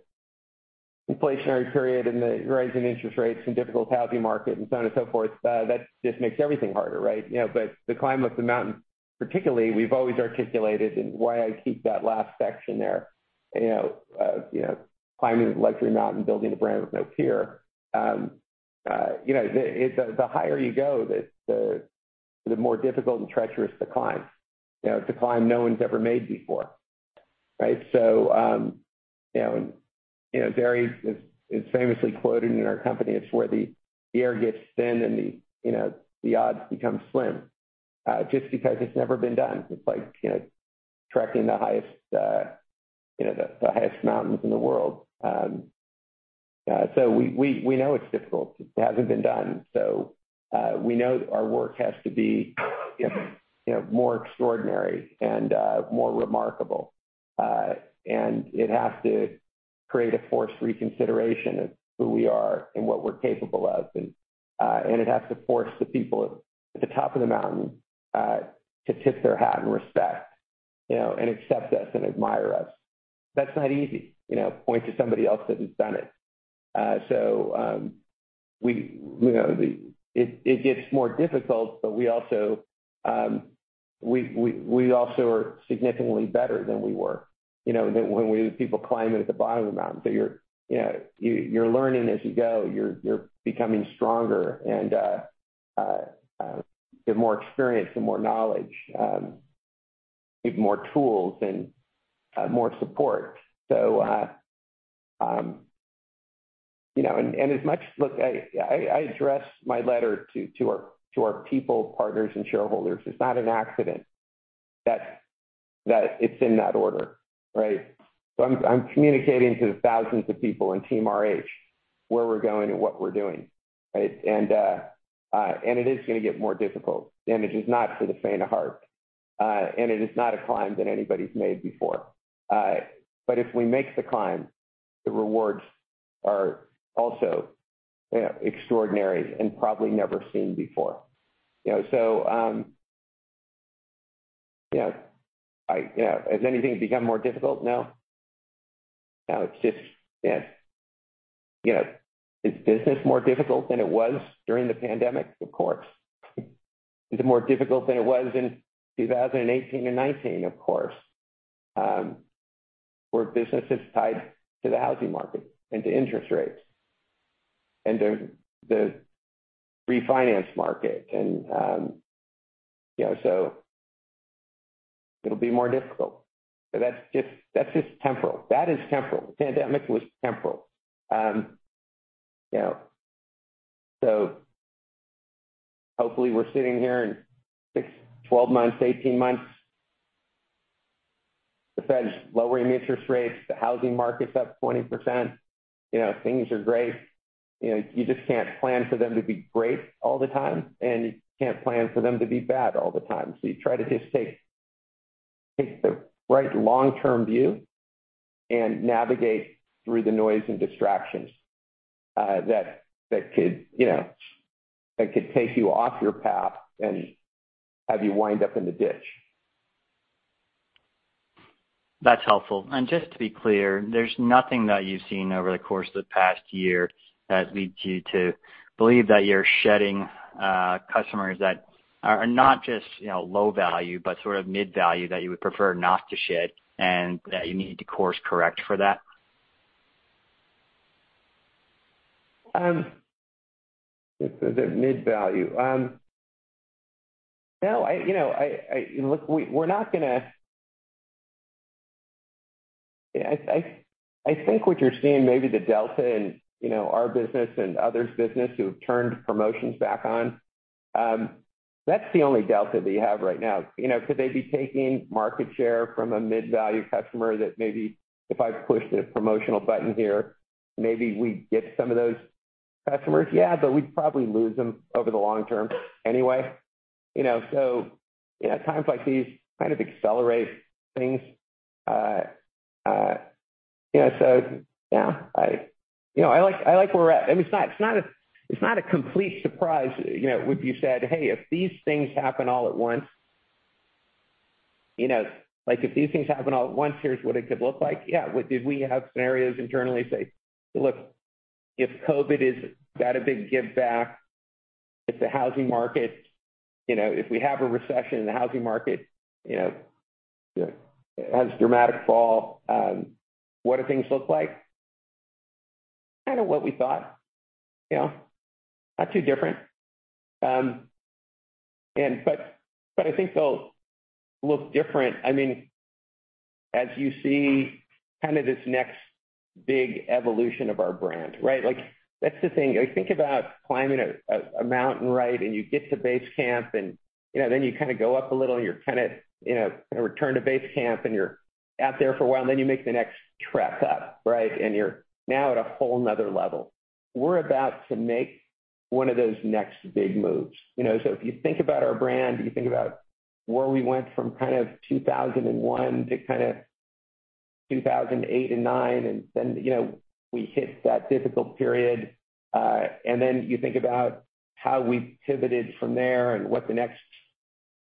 inflationary period and the rise in interest rates and difficult housing market and so on and so forth, that just makes everything harder, right? You know, but the climb up the mountain, particularly we've always articulated and why I keep that last section there, you know, climbing the luxury mountain, building a brand with no peer. You know, it's the higher you go, the more difficult and treacherous the climb. You know, it's a climb no one's ever made before, right? You know, Gary is famously quoted in our company, it's where the air gets thin and the, you know, the odds become slim, just because it's never been done. It's like, you know, trekking the highest, you know, the highest mountains in the world. We know it's difficult. It hasn't been done. We know our work has to be, you know, more extraordinary and more remarkable. It has to create a forced reconsideration of who we are and what we're capable of. It has to force the people at the top of the mountain to tip their hat and respect, you know, and accept us and admire us. That's not easy. You know, point to somebody else that has done it. We, you know, it gets more difficult, but we also are significantly better than we were, you know, than when we were the people climbing at the bottom of the mountain. You're, you know, you're learning as you go. You're becoming stronger and get more experience and more knowledge, get more tools and more support. You know, I address my letter to our people, partners, and shareholders. It's not an accident that it's in that order, right? I'm communicating to the thousands of people in Team RH where we're going and what we're doing, right? It is gonna get more difficult, and it is not for the faint of heart. It is not a climb that anybody's made before. If we make the climb, the rewards are also, you know, extraordinary and probably never seen before. You know, I, you know. Has anything become more difficult? No. No, it's just, you know, is business more difficult than it was during the pandemic? Of course. Is it more difficult than it was in 2018 and 2019? Of course. We're a business that's tied to the housing market and to interest rates and the refinance market and, you know, it'll be more difficult. That's just temporal. That is temporal. The pandemic was temporal. you know, hopefully we're sitting here in six, 12 months, 18 months, the Fed's lowering interest rates, the housing market's up 20%, you know, things are great. You know, you just can't plan for them to be great all the time, and you can't plan for them to be bad all the time. You try to just take the right long-term view and navigate through the noise and distractions, that could, you know, that could take you off your path and have you wind up in the ditch. That's helpful. Just to be clear, there's nothing that you've seen over the course of the past year that leads you to believe that you're shedding customers that are not just, you know, low value, but sort of mid value that you would prefer not to shed and that you need to course correct for that? The mid value. No, I, you know, I. Look, we're not gonna. I think what you're seeing maybe the delta in, you know, our business and others' business who have turned promotions back on, that's the only delta that you have right now. You know, could they be taking market share from a mid-value customer that maybe if I push the promotional button here, maybe we get some of those customers? We'd probably lose them over the long-term anyway. You know, times like these kind of accelerate things. You know, yeah. I, you know, I like where we're at. I mean, it's not, it's not a, it's not a complete surprise, you know, if you said, "Hey, if these things happen all at once, you know, like, here's what it could look like." Yeah. Did we have scenarios internally say, "Look, if COVID is that a big give back, if the housing market, you know, if we have a recession in the housing market, has a dramatic fall, what do things look like?" Kinda what we thought, you know. Not too different. I think they'll look different, I mean, as you see kind of this next big evolution of our brand, right? Like, that's the thing. Think about climbing a mountain, right? You get to base camp and, you know, then you kinda go up a little and you're kinda, you know, kinda return to base camp and you're out there for a while, and then you make the next trek up, right? You're now at a whole another level. We're about to make one of those next big moves. You know? If you think about our brand, you think about where we went from kind of 2001 to kinda 2008 and 2009, and then, you know, we hit that difficult period. Then you think about how we pivoted from there and what the next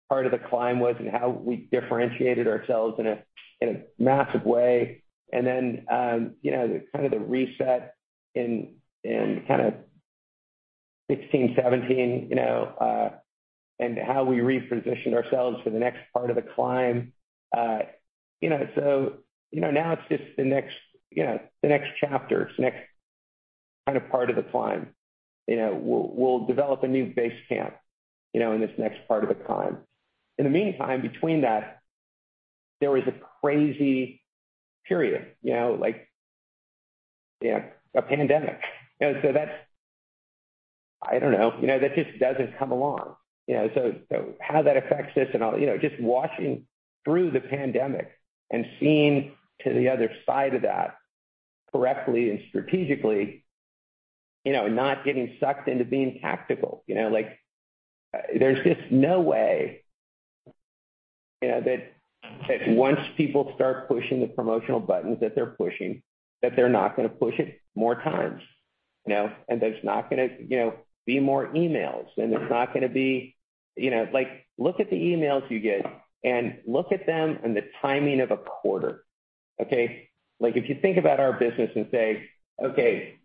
part of the climb was and how we differentiated ourselves in a massive way. Then, you know, kind of the reset in kind of 16, 17, you know, and how we repositioned ourselves for the next part of the climb. You know, now it's just the next, you know, the next chapter, it's the next kind of part of the climb. You know, we'll develop a new base camp, you know, in this next part of the climb. In the meantime, between that, there was a crazy period, you know, like, you know, a pandemic. You know, that's... I don't know, you know, that just doesn't come along. You know, how that affects us and all, you know, just watching through the pandemic and seeing to the other side of that correctly and strategically, you know, not getting sucked into being tactical. You know, like there's just no way, you know, that once people start pushing the promotional buttons that they're pushing, that they're not gonna push it more times, you know? There's not gonna, you know, be more emails, and there's not gonna be, you know. Like, look at the emails you get and look at them and the timing of a quarter, okay? Like, if you think about our business and say, "Okay,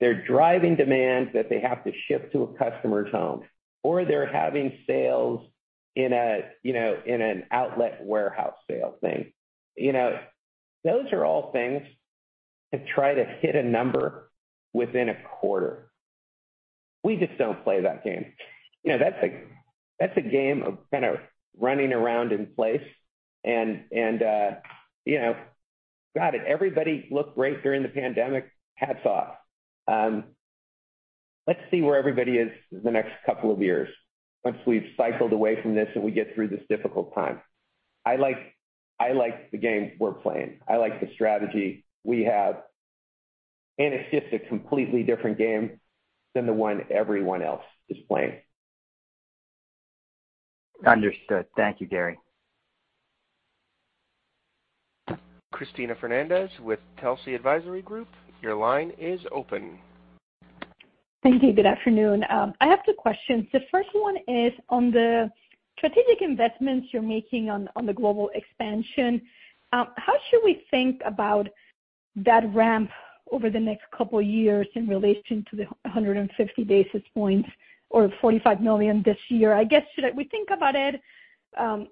they're driving demand that they have to ship to a customer's home, or they're having sales in a, you know, in an outlet warehouse sale thing." You know, those are all things to try to hit a number within a quarter. We just don't play that game. You know, that's a game of kind of running around in place and, you know, God, everybody looked great during the pandemic. Hats off. Let's see where everybody is the next couple of years once we've cycled away from this and we get through this difficult time. I like the game we're playing. I like the strategy we have. It's just a completely different game than the one everyone else is playing. Understood. Thank you, Gary. Cristina Fernandez with Telsey Advisory Group, your line is open. Thank you. Good afternoon. I have two questions. The first one is on the strategic investments you're making on the global expansion. How should we think about that ramp over the next couple years in relation to the 150 basis points or $45 million this year? I guess, we think about it,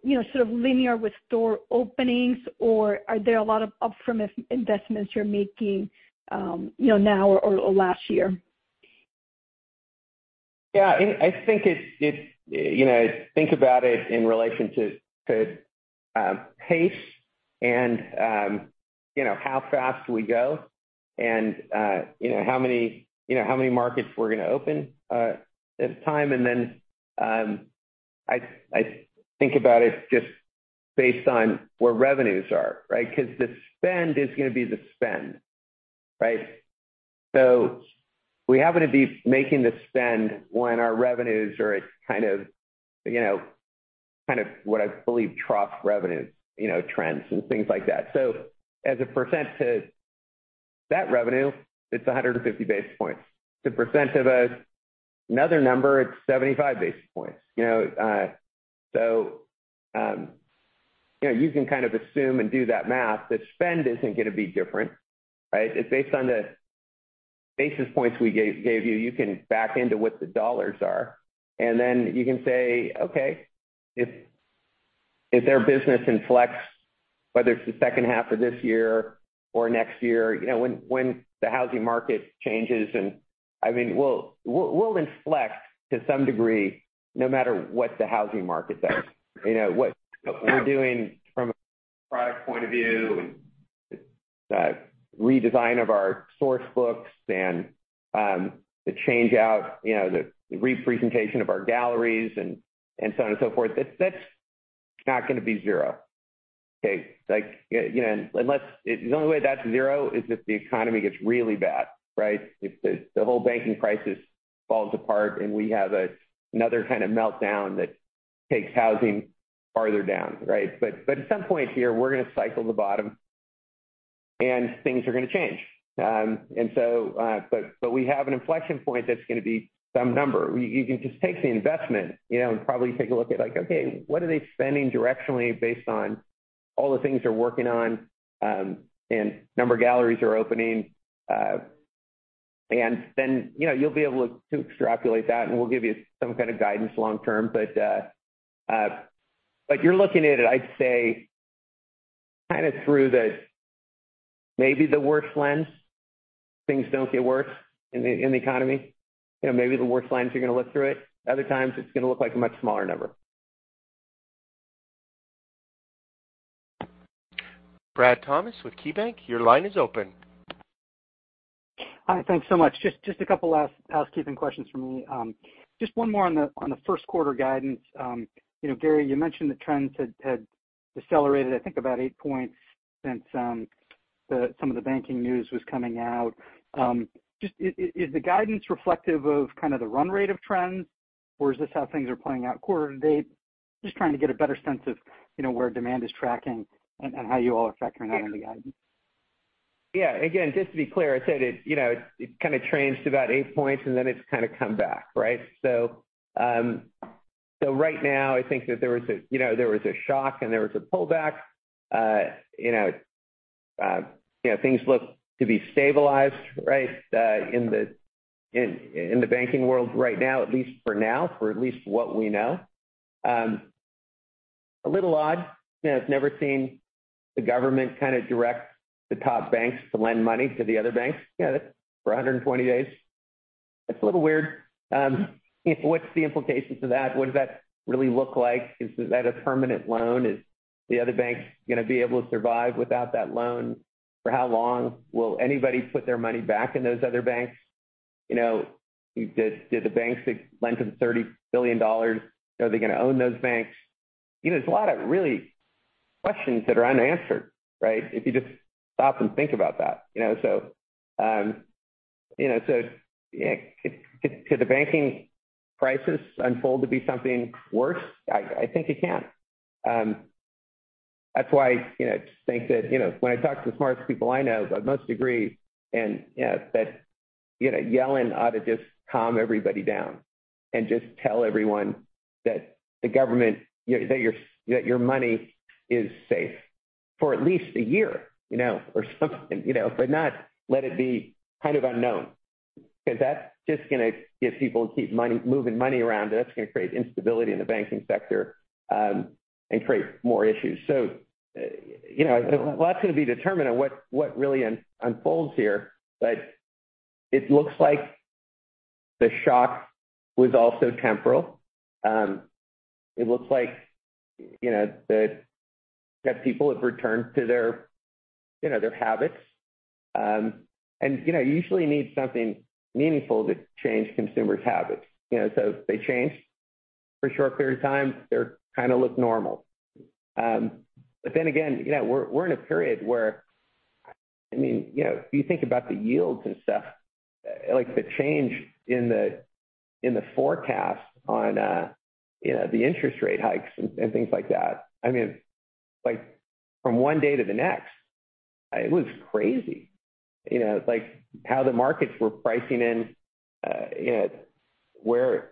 you know, sort of linear with store openings, or are there a lot of up from investments you're making, you know, now or last year? Yeah, I think it's, you know, think about it in relation to pace and, you know, how fast we go and, you know, how many markets we're gonna open at the time. Then, I think about it just based on where revenues are, right? 'Cause the spend is gonna be the spend, right? We happen to be making the spend when our revenues are at kind of what I believe trough revenue, you know, trends and things like that. As a percent to that revenue, it's 150 basis points. To percent of a another number, it's 75 basis points. You know, so, you know, you can kind of assume and do that math. The spend isn't gonna be different, right? Based on the basis points we gave you can back into what the $ are. You can say, okay, if their business inflects, whether it's the second half of this year or next year, you know, when the housing market changes. I mean, we'll inflect to some degree no matter what the housing market does. You know, what we're doing from a product point of view and redesign of our source books and the change out, you know, the representation of our galleries and so on and so forth, that's not gonna be zero. Okay. Like, you know, the only way that's zero is if the economy gets really bad, right? The whole banking crisis falls apart and we have another kind of meltdown that takes housing farther down, right? At some point here, we're gonna cycle the bottom, and things are gonna change. But we have an inflection point that's gonna be some number. You can just take the investment, you know, and probably take a look at, like, okay, what are they spending directionally based on all the things they're working on, and number of galleries they're opening. Then, you know, you'll be able to extrapolate that, and we'll give you some kind of guidance long-term. But you're looking at it, I'd say kind of through the, maybe the worst lens. Things don't get worse in the economy. You know, maybe the worst lens you're gonna look through it. Other times it's gonna look like a much smaller number. Bradley Thomas with KeyBanc, your line is open. Hi. Thanks so much. Just a couple last housekeeping questions for me. Just one more on the first quarter guidance. You know, Gary, you mentioned the trends had decelerated, I think about eight points since some of the banking news was coming out. Just is the guidance reflective of kind of the run rate of trends, or is this how things are playing out quarter to date? Just trying to get a better sense of, you know, where demand is tracking and how you all are factoring that into the guidance. Yeah. Again, just to be clear, I said it, you know, it kind of changed about eight points and then it's kinda come back, right? Right now I think that there was a, you know, there was a shock and there was a pullback. You know, things look to be stabilized, right, in the banking world right now, at least for now, for at least what we know. A little odd, you know, I've never seen the government kinda direct the top banks to lend money to the other banks, you know, for 120 days. It's a little weird. What's the implications of that? What does that really look like? Is that a permanent loan? Is the other banks gonna be able to survive without that loan? For how long will anybody put their money back in those other banks? You know, did the banks that lent them $30 billion, are they gonna own those banks? You know, there's a lot of really questions that are unanswered, right? If you just stop and think about that, you know. You know, so could the banking crisis unfold to be something worse? I think it can. That's why, you know, I just think that, you know, when I talk to the smartest people I know, I most agree and, you know, that, you know, Yellen ought to just calm everybody down and just tell everyone that the government, that your money is safe for at least a year, you know, or something, you know. Not let it be kind of unknown, because that's just gonna get people to keep moving money around, and that's gonna create instability in the banking sector, and create more issues. You know, a lot's gonna be determined on what really unfolds here. It looks like the shock was also temporal. It looks like, you know, people have returned to their, you know, their habits. You know, you usually need something meaningful to change consumers' habits. You know, they changed for a short period of time. They kinda look normal. Again, you know, we're in a period where, I mean, you know, if you think about the yields and stuff, like the change in the forecast on, you know, the interest rate hikes and things like that, I mean, like from one day to the next, it was crazy. You know, like how the markets were pricing in, you know, where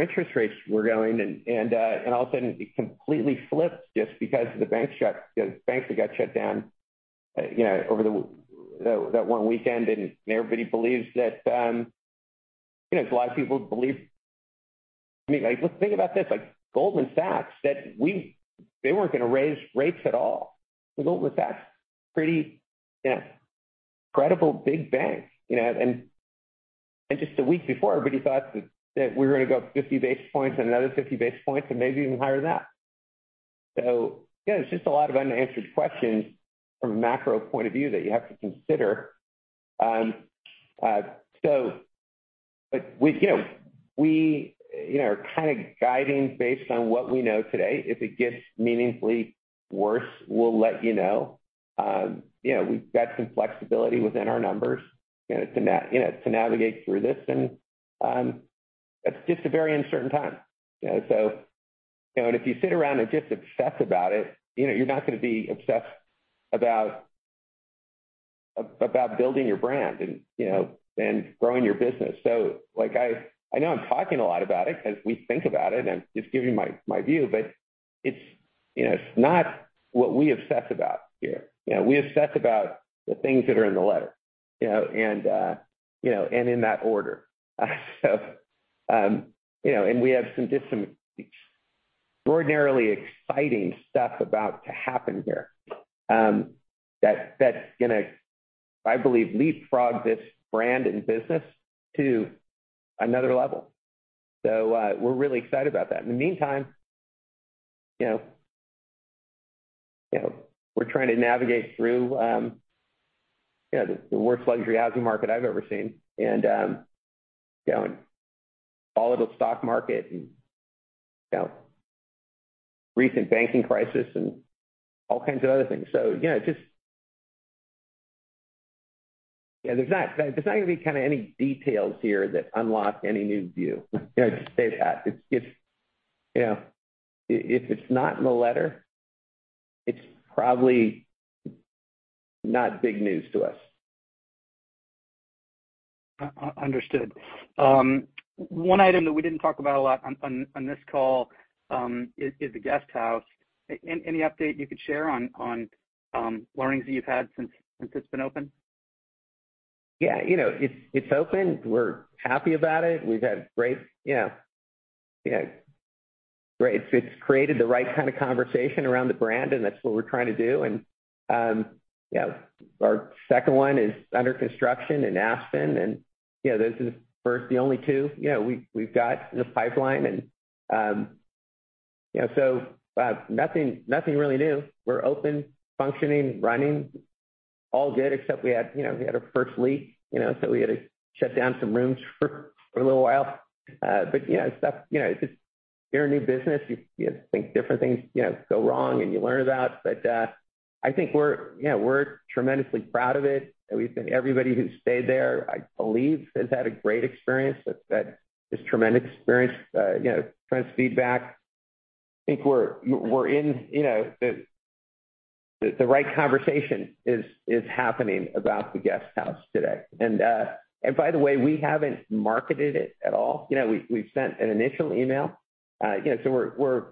interest rates were going, and all of a sudden it completely flipped just because of the banks that got shut down, you know, over that one weekend. Everybody believes that, you know, a lot of people believe. I mean, like think about this, like Goldman Sachs said they weren't gonna raise rates at all. Goldman Sachs, pretty, you know, credible big bank, you know. Just a week before, everybody thought that we were gonna go 50 basis points and another 50 basis points and maybe even higher than that. Yeah, it's just a lot of unanswered questions from a macro point of view that you have to consider. But we, you know, we, you know, are kind of guiding based on what we know today. If it gets meaningfully worse, we'll let you know. You know, we've got some flexibility within our numbers, you know, to navigate through this. It's just a very uncertain time, you know. You know, and if you sit around and just obsess about it, you know, you're not gonna be obsessed about building your brand and, you know, and growing your business. Like, I know I'm talking a lot about it 'cause we think about it, and I'm just giving my view, but it's, you know, it's not what we obsess about here. You know, we obsess about the things that are in the letter, you know, and, you know, and in that order. We have some just some extraordinarily exciting stuff about to happen here, that's gonna, I believe, leapfrog this brand and business to another level. We're really excited about that. In the meantime, you know, you know, we're trying to navigate through, you know, the worst luxury housing market I've ever seen and, you know, and volatile stock market and, you know, recent banking crisis and all kinds of other things. You know, just... You know, there's not gonna be kinda any details here that unlock any new view. You know, just say that. If, you know, if it's not in the letter, it's probably not big news to us. Understood. One item that we didn't talk about a lot on this call, is the guest house. Any update you could share on learnings that you've had since it's been open? Yeah. You know, it's open. We're happy about it. We've had great, you know, It's created the right kind of conversation around the brand, and that's what we're trying to do. You know, our second one is under construction in Aspen and, you know, those is first the only two, you know, we've got in the pipeline. You know, so, nothing really new. We're open, functioning, running, all good, except we had, you know, we had our first leak, you know, so we had to shut down some rooms for a little while. You know, stuff, you know, just you're a new business, you have to think different things, you know, go wrong and you learn about. I think we're, yeah, we're tremendously proud of it. We think everybody who stayed there, I believe, has had a great experience. That is tremendous experience, you know, tremendous feedback. I think we're in, you know, the right conversation is happening about the guest house today. By the way, we haven't marketed it at all. You know, we've sent an initial email. You know, so we're,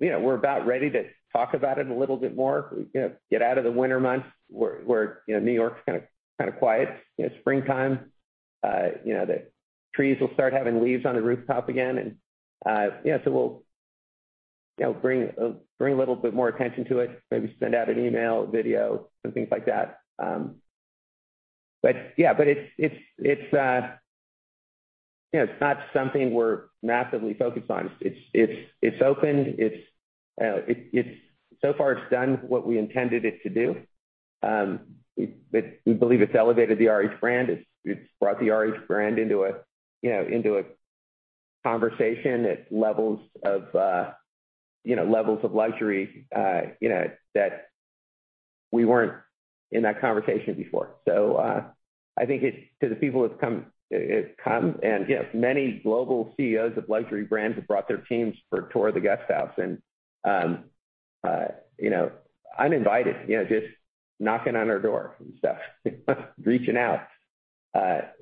you know, we're about ready to talk about it a little bit more. You know, get out of the winter months where, you know, New York is kinda quiet. You know, springtime, you know, the trees will start having leaves on the rooftop again. Yeah, so we'll, you know, bring a little bit more attention to it. Maybe send out an email, a video, some things like that. But yeah. It's, you know, it's not something we're massively focused on. It's opened. It's so far it's done what we intended it to do. It, we believe it's elevated the RH brand. It's brought the RH brand into a, you know, into a conversation at levels of, you know, levels of luxury, you know, that we weren't in that conversation before. I think it's, to the people who've come, who have come, and yes, many global CEOs of luxury brands have brought their teams for a tour of the guest house and, you know, uninvited, you know, just knocking on our door and stuff reaching out. I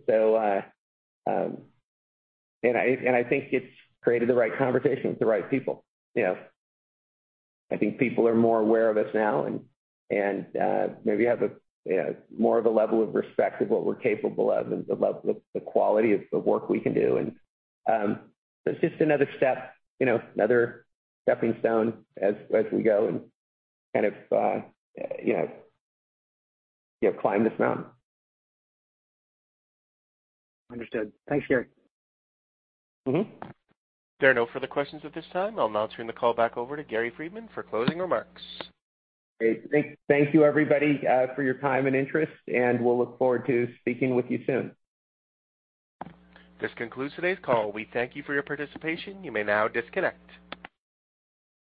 think it's created the right conversation with the right people, you know. I think people are more aware of us now and, maybe have a, you know, more of a level of respect of what we're capable of and the quality of the work we can do. It's just another step, you know, another stepping stone as we go and kind of, you know, climb this mountain. Understood. Thanks, Gary. Mm-hmm. There are no further questions at this time. I'll now turn the call back over to Gary Friedman for closing remarks. Great. Thank you everybody, for your time and interest, we'll look forward to speaking with you soon. This concludes today's call. We thank you for your participation. You may now disconnect.